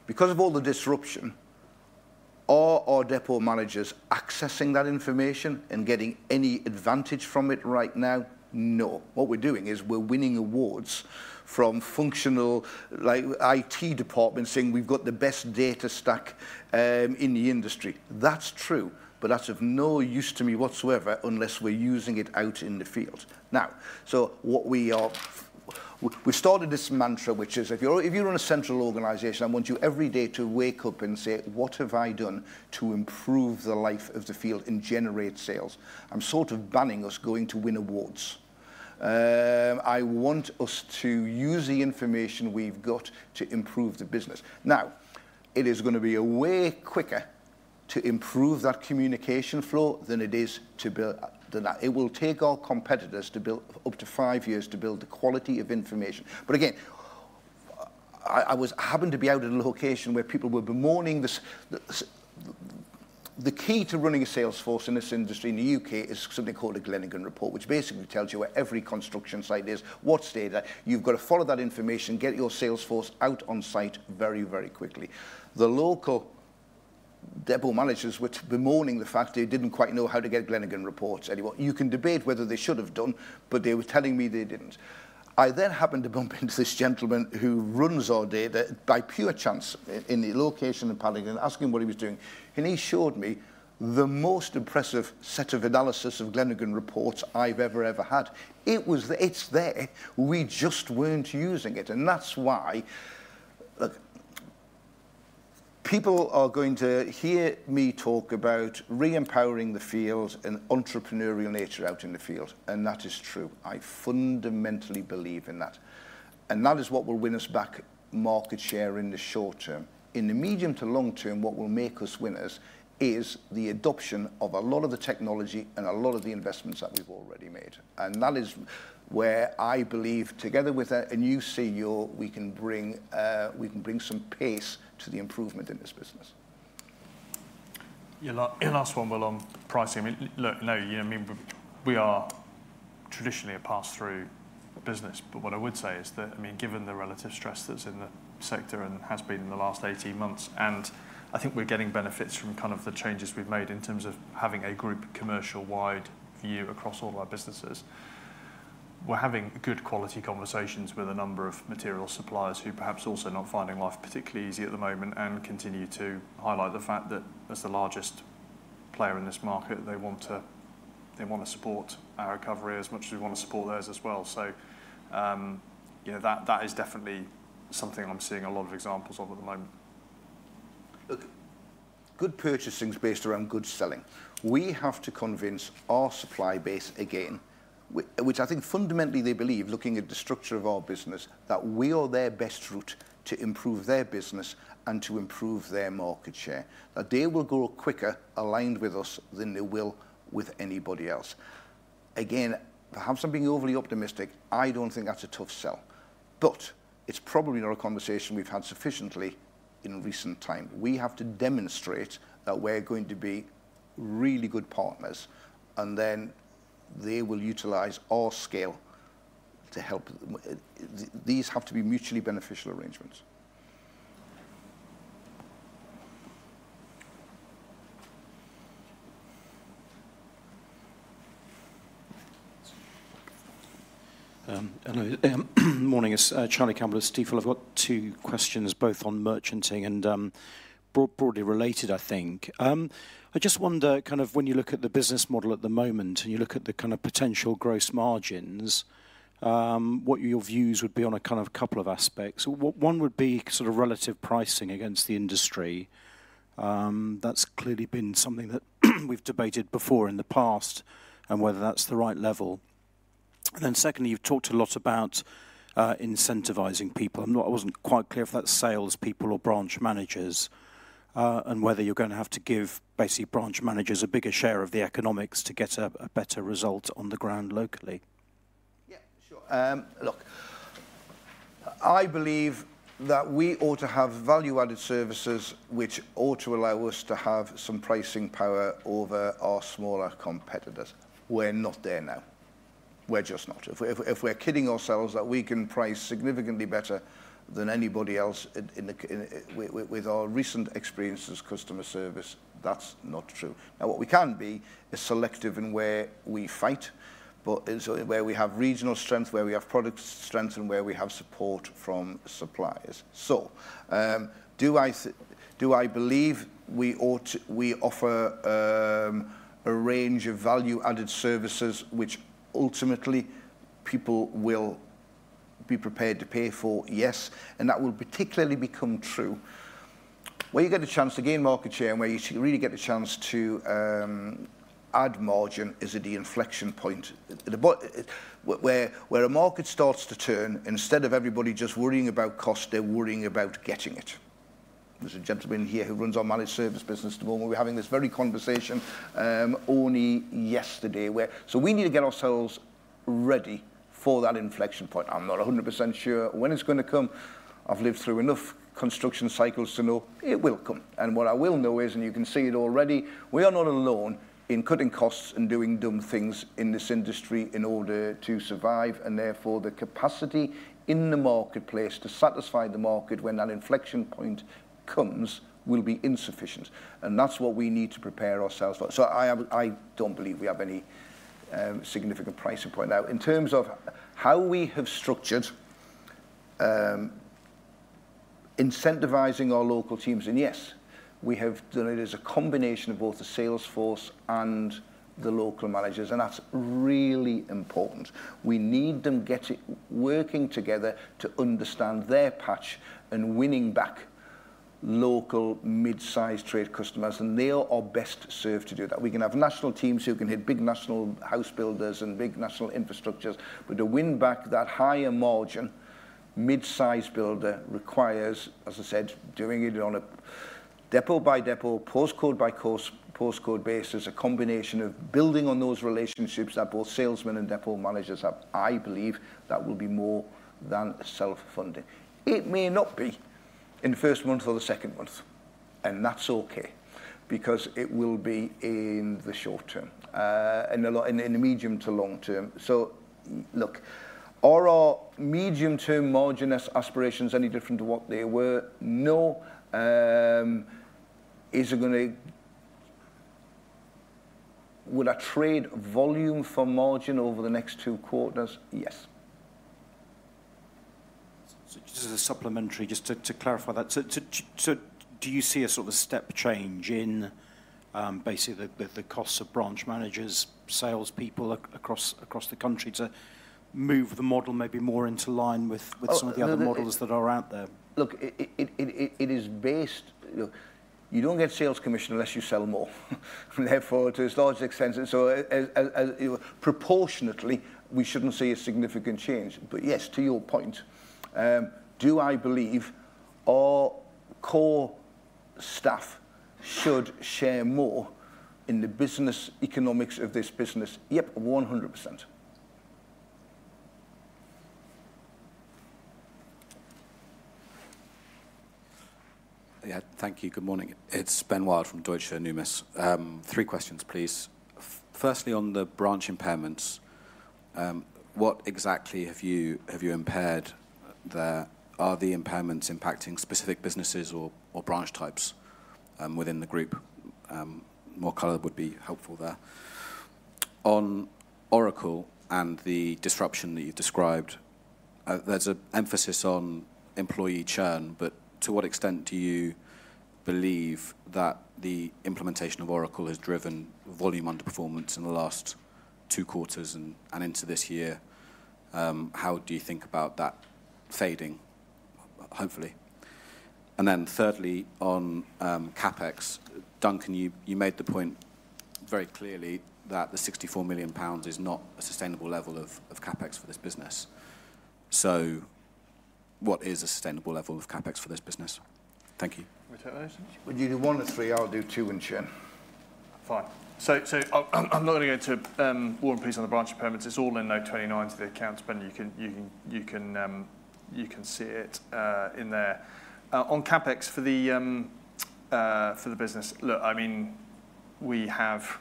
Because of all the disruption, are our depot managers accessing that information and getting any advantage from it right now? No. What we're doing is we're winning awards from functional IT departments saying we've got the best data stack in the industry. That's true, but that's of no use to me whatsoever unless we're using it out in the field. What we are, we started this mantra, which is if you're in a central organization, I want you every day to wake up and say, "What have I done to improve the life of the field and generate sales?" I'm sort of banning us going to win awards. I want us to use the information we've got to improve the business. It is going to be a way quicker to improve that communication flow than it is to build that. It will take our competitors up to five years to build the quality of information. Again, I happen to be out at a location where people were bemoaning this. The key to running a sales force in this industry in the U.K. is something called a Glenigan report, which basically tells you where every construction site is, what's there. You've got to follow that information, get your sales force out on site very, very quickly. The local depot managers were bemoaning the fact they didn't quite know how to get Glenigan reports anymore. You can debate whether they should have done, but they were telling me they didn't. I then happened to bump into this gentleman who runs our data by pure chance in the location in Paddington. I asked him what he was doing, and he showed me the most impressive set of analysis of Glenigan reports I've ever, ever had. It's there. We just weren't using it. That is why, look, people are going to hear me talk about re-empowering the field and entrepreneurial nature out in the field. That is true. I fundamentally believe in that. That is what will win us back market share in the short-term. In the medium to long-term, what will make us winners is the adoption of a lot of the technology and a lot of the investments that we have already made. That is where I believe, together with a new CEO, we can bring some pace to the improvement in this business. Your last one was on pricing. Look, no, I mean, we are traditionally a pass-through business. What I would say is that, I mean, given the relative stress that's in the sector and has been in the last 18 months, and I think we're getting benefits from kind of the changes we've made in terms of having a group commercial-wide view across all our businesses, we're having good quality conversations with a number of material suppliers who perhaps are also not finding life particularly easy at the moment and continue to highlight the fact that as the largest player in this market, they want to support our recovery as much as we want to support theirs as well. That is definitely something I'm seeing a lot of examples of at the moment. Look, good purchasing is based around good selling. We have to convince our supply base again, which I think fundamentally they believe, looking at the structure of our business, that we are their best route to improve their business and to improve their market share, that they will go quicker aligned with us than they will with anybody else. Again, perhaps I'm being overly optimistic. I don't think that's a tough sell. It's probably not a conversation we've had sufficiently in recent time. We have to demonstrate that we're going to be really good partners, and then they will utilize our scale to help. These have to be mutually beneficial arrangements. Morning. It's Charlie Campbell at Stifel. I've got two questions, both on merchanting and broadly related, I think. I just wonder, kind of when you look at the business model at the moment and you look at the kind of potential gross margins, what your views would be on a kind of couple of aspects. One would be sort of relative pricing against the industry. That has clearly been something that we have debated before in the past and whether that is the right level. Then secondly, you have talked a lot about incentivizing people. I was not quite clear if that is salespeople or branch managers and whether you are going to have to give basically branch managers a bigger share of the economics to get a better result on the ground locally. Yeah, sure. Look, I believe that we ought to have value-added services which ought to allow us to have some pricing power over our smaller competitors. We are not there now. We are just not. If we're kidding ourselves that we can price significantly better than anybody else with our recent experience as customer service, that's not true. What we can be is selective in where we fight, but it's where we have regional strength, where we have product strength, and where we have support from suppliers. Do I believe we offer a range of value-added services which ultimately people will be prepared to pay for? Yes. That will particularly become true where you get a chance to gain market share and where you really get a chance to add margin is at the inflection point, where a market starts to turn. Instead of everybody just worrying about cost, they're worrying about getting it. There's a gentleman here who runs our managed service business at the moment. We're having this very conversation only yesterday. We need to get ourselves ready for that inflection point. I'm not 100% sure when it's going to come. I've lived through enough construction cycles to know it will come. What I will know is, and you can see it already, we are not alone in cutting costs and doing dumb things in this industry in order to survive. Therefore, the capacity in the marketplace to satisfy the market when that inflection point comes will be insufficient. That's what we need to prepare ourselves for. I don't believe we have any significant pricing point. Now, in terms of how we have structured incentivizing our local teams, yes, we have done it as a combination of both the sales force and the local managers. That's really important. We need them working together to understand their patch and winning back local mid-sized trade customers. They are best served to do that. We can have national teams who can hit big national house builders and big national infrastructures, but to win back that higher margin, mid-sized builder requires, as I said, doing it on a depot-by-depot, postcode-by-postcode basis, a combination of building on those relationships that both salesmen and depot managers have. I believe that will be more than self-funding. It may not be in the first month or the second month, and that's okay because it will be in the short-term and in the medium to long-term. Look, are our medium-term margin aspirations any different to what they were? No. Would I trade volume for margin over the next two quarters? Yes. Just as a supplementary, just to clarify that, do you see a sort of step change in basically the costs of branch managers, salespeople across the country to move the model maybe more into line with some of the other models that are out there? Look, it is based. You do not get sales commission unless you sell more. Therefore, to a large extent, proportionately, we should not see a significant change. Yes, to your point, do I believe our core staff should share more in the business economics of this business? Yep, 100%. Yeah. Thank you. Good morning. It is Ben [Wylde] from Deutsche Numis. Three questions, please. Firstly, on the branch impairments, what exactly have you impaired there? Are the impairments impacting specific businesses or branch types within the group? More color would be helpful there. On Oracle and the disruption that you have described, there is an emphasis on employee churn. To what extent do you believe that the implementation of Oracle has driven volume underperformance in the last two quarters and into this year? How do you think about that fading? Hopefully. Thirdly, on CapEx, Duncan, you made the point very clearly that 64 million pounds is not a sustainable level of CapEx for this business. What is a sustainable level of CapEx for this business? Thank you. Would you do one or three? I'll do two and share. Fine. I'm not going to go into war and peace on the branch impairments. It's all in note 29 to the accounts, but you can see it in there. On CapEx for the business, look, I mean, we have,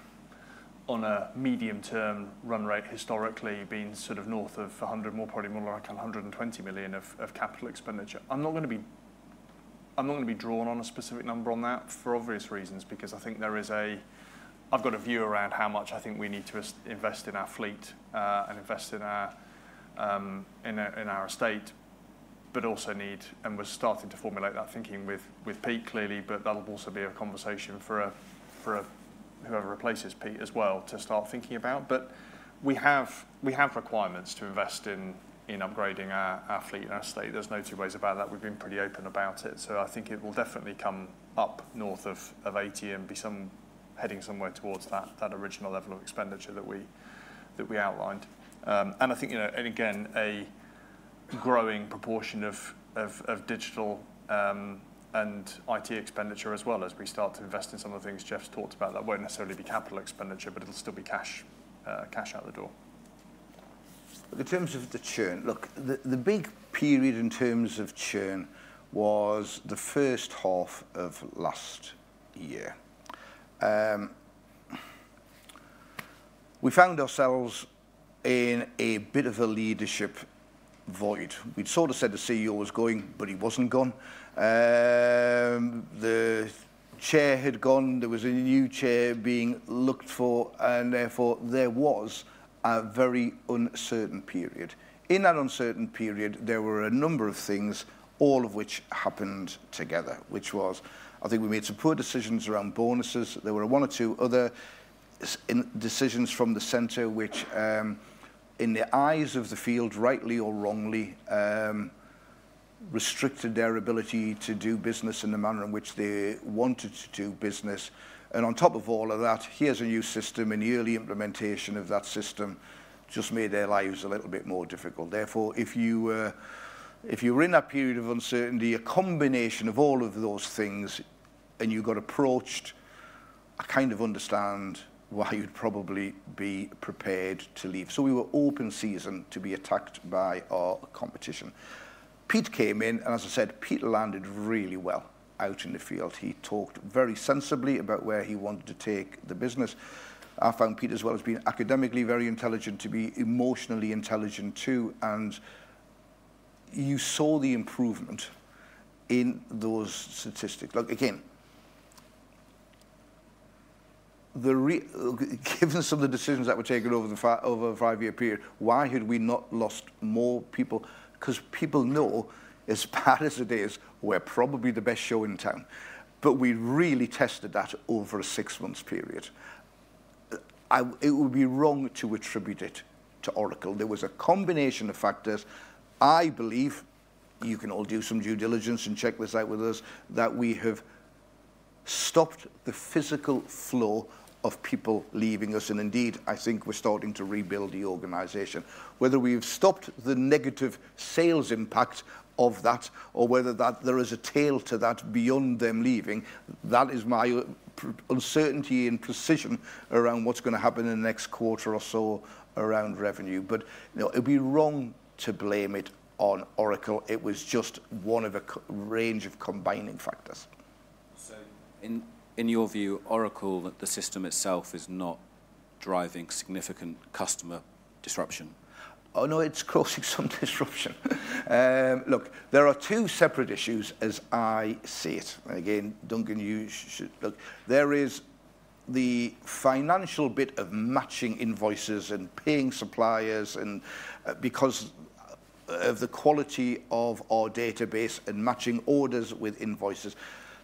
on a medium-term run rate, historically been sort of north of 100, more probably more like 120 million of capital expenditure. I'm not going to be drawn on a specific number on that for obvious reasons because I think there is a I've got a view around how much I think we need to invest in our fleet and invest in our estate, but also need and we're starting to formulate that thinking with Pete clearly, but that'll also be a conversation for whoever replaces Pete as well to start thinking about. We have requirements to invest in upgrading our fleet and our estate. There's no two ways about that. We've been pretty open about it. I think it will definitely come up north of 80 million and be heading somewhere towards that original level of expenditure that we outlined. I think, again, a growing proportion of digital and IT expenditure as well as we start to invest in some of the things Geoff's talked about that will not necessarily be capital expenditure, but it will still be cash out the door. In terms of the churn, look, the big period in terms of churn was the first half of last year. We found ourselves in a bit of a leadership void. We had sort of said the CEO was going, but he was not gone. The chair had gone. There was a new chair being looked for. Therefore, there was a very uncertain period. In that uncertain period, there were a number of things, all of which happened together, which was, I think we made some poor decisions around bonuses. There were one or two other decisions from the center which, in the eyes of the field, rightly or wrongly, restricted their ability to do business in the manner in which they wanted to do business. On top of all of that, here's a new system. The early implementation of that system just made their lives a little bit more difficult. Therefore, if you were in that period of uncertainty, a combination of all of those things, and you got approached, I kind of understand why you'd probably be prepared to leave. We were open season to be attacked by our competition. Pete came in, and as I said, Pete landed really well out in the field. He talked very sensibly about where he wanted to take the business. I found Pete as well as being academically very intelligent to be emotionally intelligent too. You saw the improvement in those statistics. Again, given some of the decisions that were taken over the five-year period, why had we not lost more people? People know as bad as it is, we are probably the best show in town. We really tested that over a six-month period. It would be wrong to attribute it to Oracle. There was a combination of factors. I believe you can all do some due diligence and check this out with us that we have stopped the physical flow of people leaving us. Indeed, I think we are starting to rebuild the organization. Whether we have stopped the negative sales impact of that or whether there is a tail to that beyond them leaving, that is my uncertainty and precision around what is going to happen in the next quarter or so around revenue. It would be wrong to blame it on Oracle. It was just one of a range of combining factors. In your view, Oracle, the system itself is not driving significant customer disruption. Oh, no, it's causing some disruption. Look, there are two separate issues as I see it. Again, Duncan, you should look. There is the financial bit of matching invoices and paying suppliers because of the quality of our database and matching orders with invoices.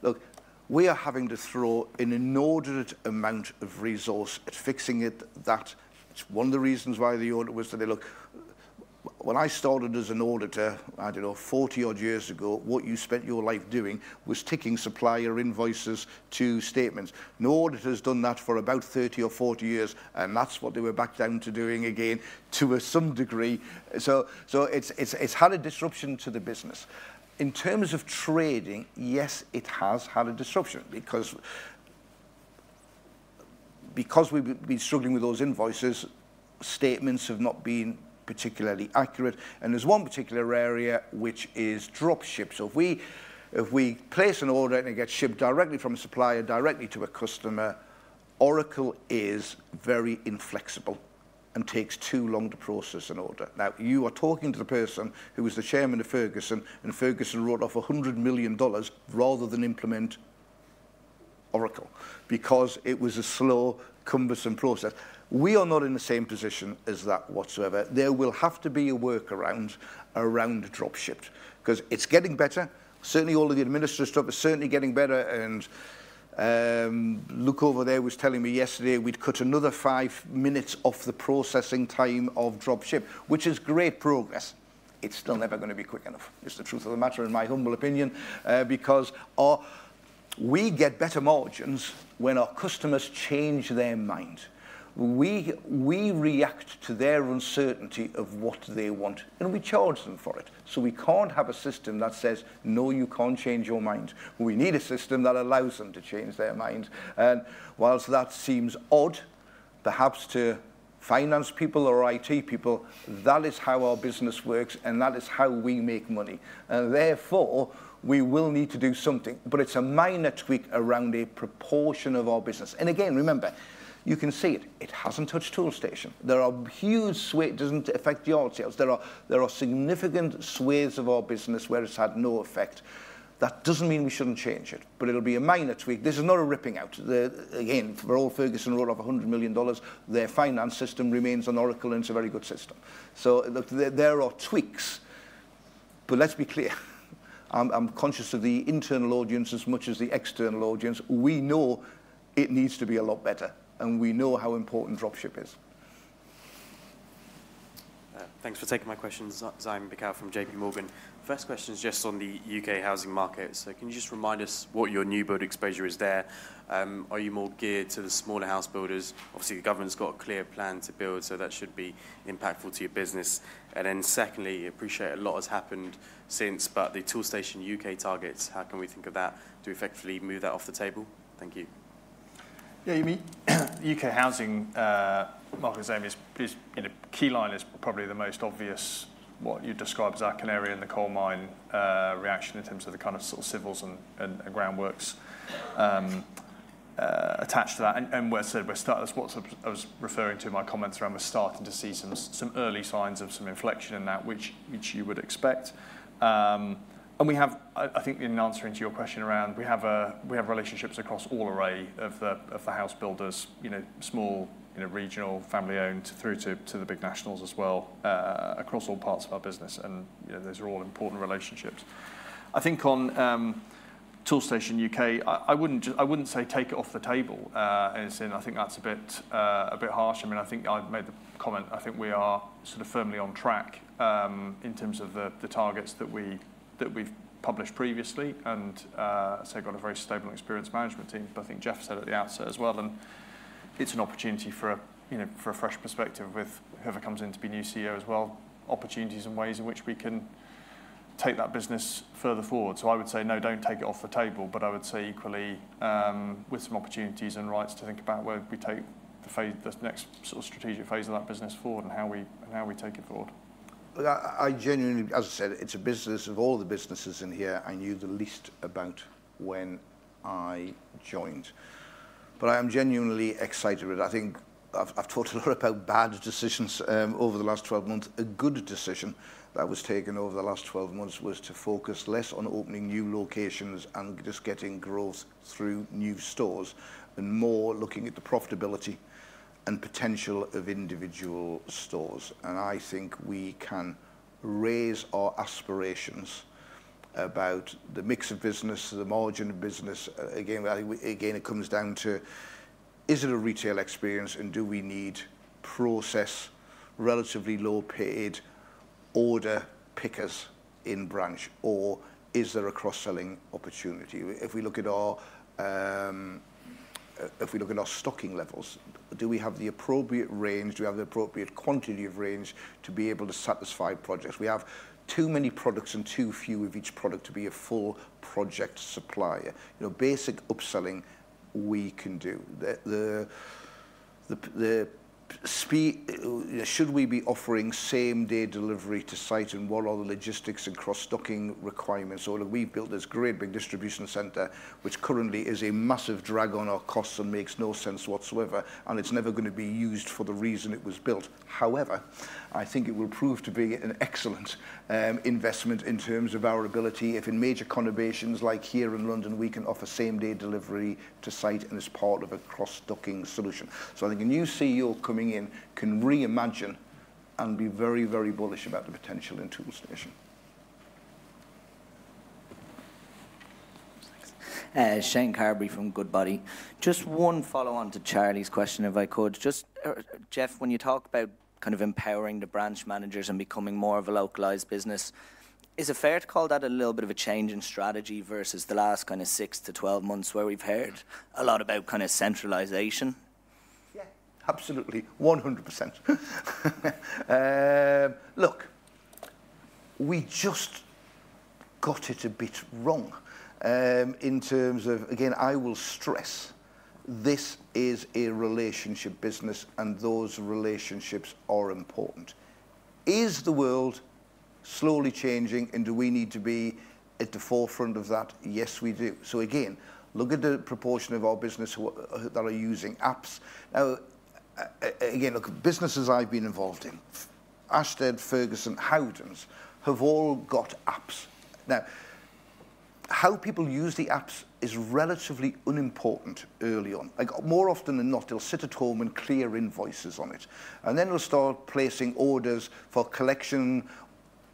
Look, we are having to throw in an inordinate amount of resource at fixing it. That's one of the reasons why the audit was to look. When I started as an auditor, I don't know, 40-odd years ago, what you spent your life doing was ticking supplier invoices to statements. No auditor has done that for about 30 or 40 years. That is what they were back down to doing again to some degree. It has had a disruption to the business. In terms of trading, yes, it has had a disruption because we have been struggling with those invoices. Statements have not been particularly accurate. There is one particular area which is dropship. If we place an order and it gets shipped directly from a supplier directly to a customer, Oracle is very inflexible and takes too long to process an order. Now, you are talking to the person who was the Chairman of Ferguson, and Ferguson wrote off $100 million rather than implement Oracle because it was a slow, cumbersome process. We are not in the same position as that whatsoever. There will have to be a workaround around dropship because it is getting better. Certainly, all of the administrative stuff is certainly getting better. Luke over there was telling me yesterday we had cut another five minutes off the processing time of dropship, which is great progress. It is still never going to be quick enough, is the truth of the matter, in my humble opinion, because we get better margins when our customers change their mind. We react to their uncertainty of what they want, and we charge them for it. We cannot have a system that says, "No, you cannot change your mind." We need a system that allows them to change their mind. Whilst that seems odd, perhaps to finance people or IT people, that is how our business works, and that is how we make money. Therefore, we will need to do something. It is a minor tweak around a proportion of our business. Again, remember, you can see it. It has not touched Toolstation. There are huge swathes. It doesn't affect the odd sales. There are significant swathes of our business where it's had no effect. That doesn't mean we shouldn't change it, but it'll be a minor tweak. This is not a ripping out. Again, for all Ferguson wrote off $100 million, their finance system remains on Oracle, and it's a very good system. There are tweaks. Let's be clear. I'm conscious of the internal audience as much as the external audience. We know it needs to be a lot better, and we know how important dropship is. Thanks for taking my questions, [Zym Becow] from JP Morgan. First question is just on the U.K. housing market. Can you just remind us what your new build exposure is there? Are you more geared to the smaller house builders? Obviously, the government's got a clear plan to build, so that should be impactful to your business. Secondly, I appreciate a lot has happened since, but the Toolstation U.K. targets, how can we think of that to effectively move that off the table? Thank you. Yeah, you mean U.K housing markets, I mean, Keyline is probably the most obvious what you describe as our canary in the coal mine reaction in terms of the kind of sort of civils and groundworks attached to that. What I was referring to in my comments around, we're starting to see some early signs of some inflection in that, which you would expect. I think in answering to your question around, we have relationships across all array of the house builders, small, regional, family-owned through to the big nationals as well across all parts of our business. Those are all important relationships. I think on Toolstation U.K., I would not say take it off the table. I think that is a bit harsh. I mean, I think I have made the comment. I think we are sort of firmly on track in terms of the targets that we have published previously. I have got a very stable and experienced management team. I think Geoff said it at the outset as well. It is an opportunity for a fresh perspective with whoever comes in to be new CEO as well, opportunities and ways in which we can take that business further forward. I would say, no, do not take it off the table. I would say equally with some opportunities and rights to think about where we take the next sort of strategic phase of that business forward and how we take it forward. I genuinely, as I said, it's a business of all the businesses in here. I knew the least about when I joined. I am genuinely excited. I think I've talked a lot about bad decisions over the last 12 months. A good decision that was taken over the last 12 months was to focus less on opening new locations and just getting growth through new stores and more looking at the profitability and potential of individual stores. I think we can raise our aspirations about the mix of business, the margin of business. Again, it comes down to, is it a retail experience and do we need process, relatively low-paid order pickers in branch, or is there a cross-selling opportunity? If we look at our stocking levels, do we have the appropriate range? Do we have the appropriate quantity of range to be able to satisfy projects? We have too many products and too few of each product to be a full project supplier. Basic upselling we can do. Should we be offering same-day delivery to site and what are the logistics and cross-stocking requirements? We have built this great big distribution center, which currently is a massive drag on our costs and makes no sense whatsoever. It is never going to be used for the reason it was built. However, I think it will prove to be an excellent investment in terms of our ability if in major conurbations like here in London, we can offer same-day delivery to site and as part of a cross-stocking solution. I think a new CEO coming in can reimagine and be very, very bullish about the potential in Toolstation. Shane Carberry from Goodbody. Just one follow-on to Charlie's question, if I could. Just, Geoff, when you talk about kind of empowering the branch managers and becoming more of a localized business, is it fair to call that a little bit of a change in strategy versus the last kind of 6 months-12 months where we've heard a lot about kind of centralization? Yeah, absolutely. 100%. Look, we just got it a bit wrong in terms of, again, I will stress this is a relationship business and those relationships are important. Is the world slowly changing and do we need to be at the forefront of that? Yes, we do. Again, look at the proportion of our business that are using apps. Now, again, look, businesses I've been involved in, Ashtead, Ferguson, Howdens have all got apps. Now, how people use the apps is relatively unimportant early on. More often than not, they'll sit at home and clear invoices on it. They'll start placing orders for collection,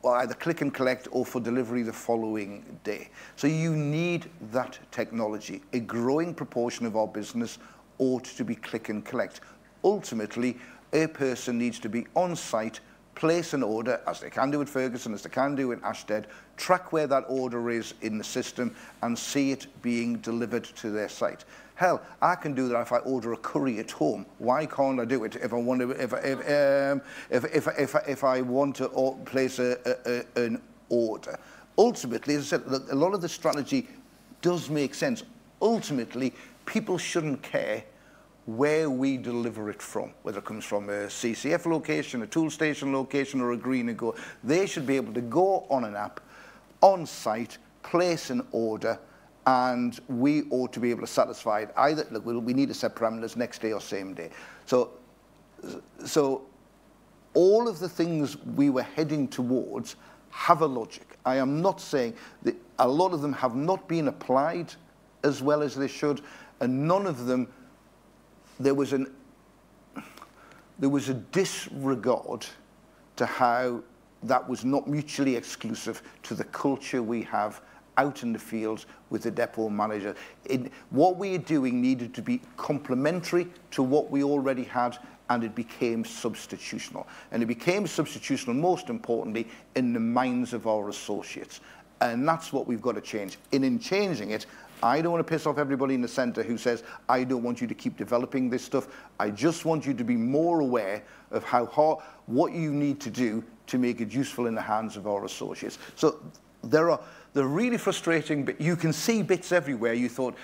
either click and collect or for delivery the following day. You need that technology. A growing proportion of our business ought to be click and collect. Ultimately, a person needs to be on site, place an order as they can do at Ferguson, as they can do in Ashtead, track where that order is in the system, and see it being delivered to their site. [Hell], I can do that if I order a curry at home. Why can't I do it if I want to place an order? Ultimately, as I said, a lot of the strategy does make sense. Ultimately, people shouldn't care where we deliver it from, whether it comes from a CCF location, a Toolstation location, or a [Greenagle]. They should be able to go on an app, on site, place an order, and we ought to be able to satisfy it. Look, we need to set parameters next day or same day. All of the things we were heading towards have a logic. I am not saying that a lot of them have not been applied as well as they should. None of them, there was a disregard to how that was not mutually exclusive to the culture we have out in the field with the depot manager. What we are doing needed to be complementary to what we already had, and it became substitutional. It became substitutional, most importantly, in the minds of our associates. That is what we have got to change. In changing it, I don't want to piss off everybody in the center who says, "I don't want you to keep developing this stuff. I just want you to be more aware of what you need to do to make it useful in the hands of our associates." They're really frustrating, but you can see bits everywhere. You thought,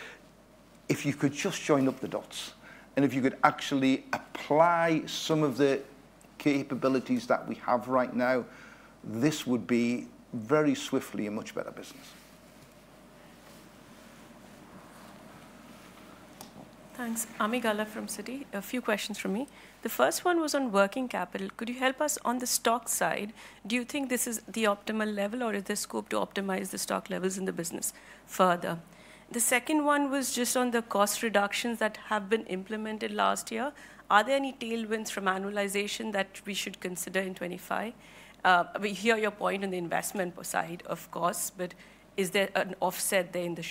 "If you could just join up the dots and if you could actually apply some of the capabilities that we have right now, this would be very swiftly a much better business." Thanks. Ami Galla from Citi. A few questions from me. The first one was on working capital. Could you help us on the stock side? Do you think this is the optimal level, or is there scope to optimize the stock levels in the business further? The second one was just on the cost reductions that have been implemented last year. Are there any tailwinds from annualization that we should consider in 2025? We hear your point on the investment side, of course, but is there an offset there in the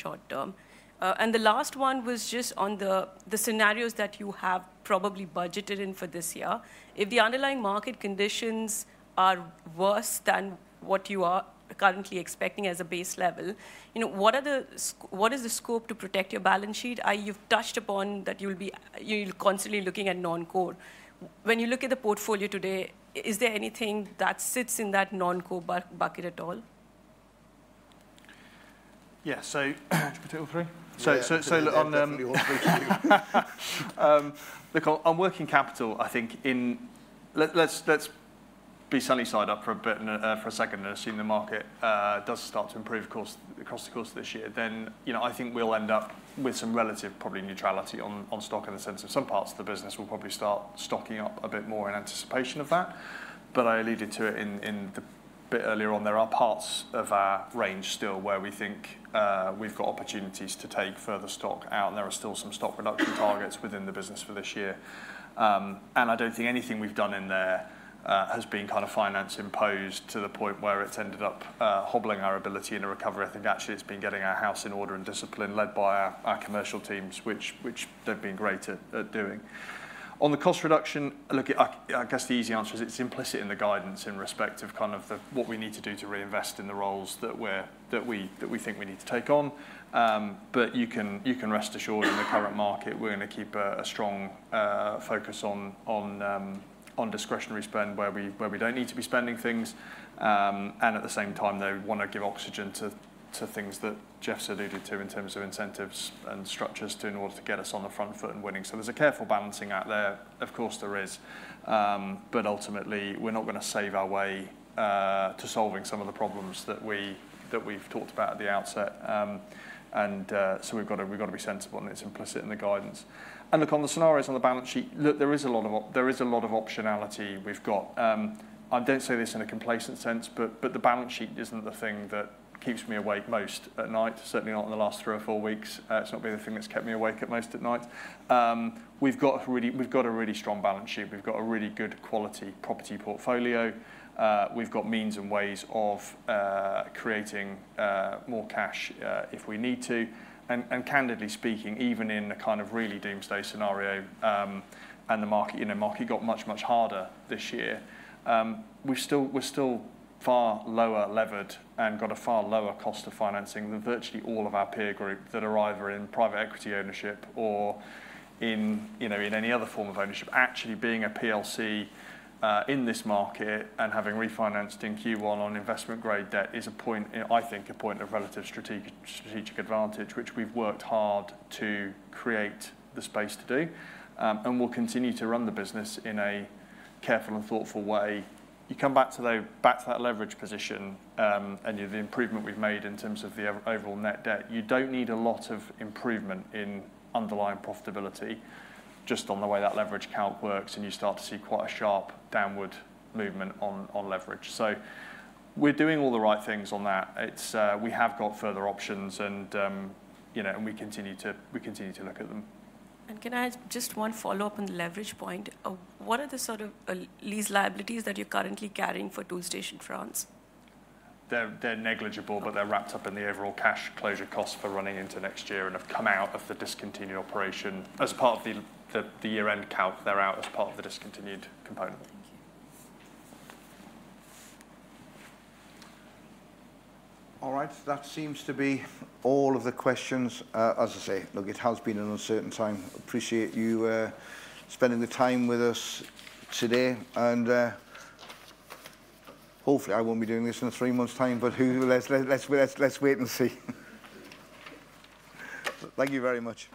short-term? The last one was just on the scenarios that you have probably budgeted in for this year. If the underlying market conditions are worse than what you are currently expecting as a base level, what is the scope to protect your balance sheet? You've touched upon that you'll be constantly looking at non-core. When you look at the portfolio today, is there anything that sits in that non-core bucket at all? Yeah, look, on working capital, I think, let's be sunny-side up for a bit for a second and assume the market does start to improve, of course, across the course of this year. I think we'll end up with some relative, probably, neutrality on stock in the sense of some parts of the business will probably start stocking up a bit more in anticipation of that. I alluded to it a bit earlier on. There are parts of our range still where we think we've got opportunities to take further stock out. There are still some stock reduction targets within the business for this year. I don't think anything we've done in there has been kind of finance-imposed to the point where it's ended up hobbling our ability in a recovery. I think actually it's been getting our house in order and discipline, led by our commercial teams, which they've been great at doing. On the cost reduction, I guess the easy answer is it's implicit in the guidance in respect of kind of what we need to do to reinvest in the roles that we think we need to take on. You can rest assured in the current market, we're going to keep a strong focus on discretionary spend where we don't need to be spending things. At the same time, they want to give oxygen to things that Geoff's alluded to in terms of incentives and structures in order to get us on the front foot and winning. There's a careful balancing out there. Of course, there is. Ultimately, we're not going to save our way to solving some of the problems that we've talked about at the outset. We've got to be sensible, and it's implicit in the guidance. Look, on the scenarios on the balance sheet, there is a lot of optionality we've got. I don't say this in a complacent sense, but the balance sheet isn't the thing that keeps me awake most at night, certainly not in the last three or four weeks. It's not been the thing that's kept me awake most at night. We've got a really strong balance sheet. We've got a really good quality property portfolio. We've got means and ways of creating more cash if we need to. Candidly speaking, even in the kind of really doomsday scenario and the market got much, much harder this year, we are still far lower levered and have a far lower cost of financing than virtually all of our peer group that are either in private equity ownership or in any other form of ownership. Actually, being a PLC in this market and having refinanced in Q1 on investment-grade debt is, I think, a point of relative strategic advantage, which we have worked hard to create the space to do. We will continue to run the business in a careful and thoughtful way. You come back to that leverage position and the improvement we have made in terms of the overall net debt, you do not need a lot of improvement in underlying profitability just on the way that leverage count works, and you start to see quite a sharp downward movement on leverage. We're doing all the right things on that. We have got further options, and we continue to look at them. Can I add just one follow-up on the leverage point? What are the sort of lease liabilities that you're currently carrying for Toolstation France? They're negligible, but they're wrapped up in the overall cash closure costs for running into next year and have come out of the discontinued operation as part of the year-end count. They're out as part of the discontinued component. Thank you. All right. That seems to be all of the questions. As I say, look, it has been an uncertain time. Appreciate you spending the time with us today. Hopefully, I won't be doing this in three months' time, but let's wait and see. Thank you very much.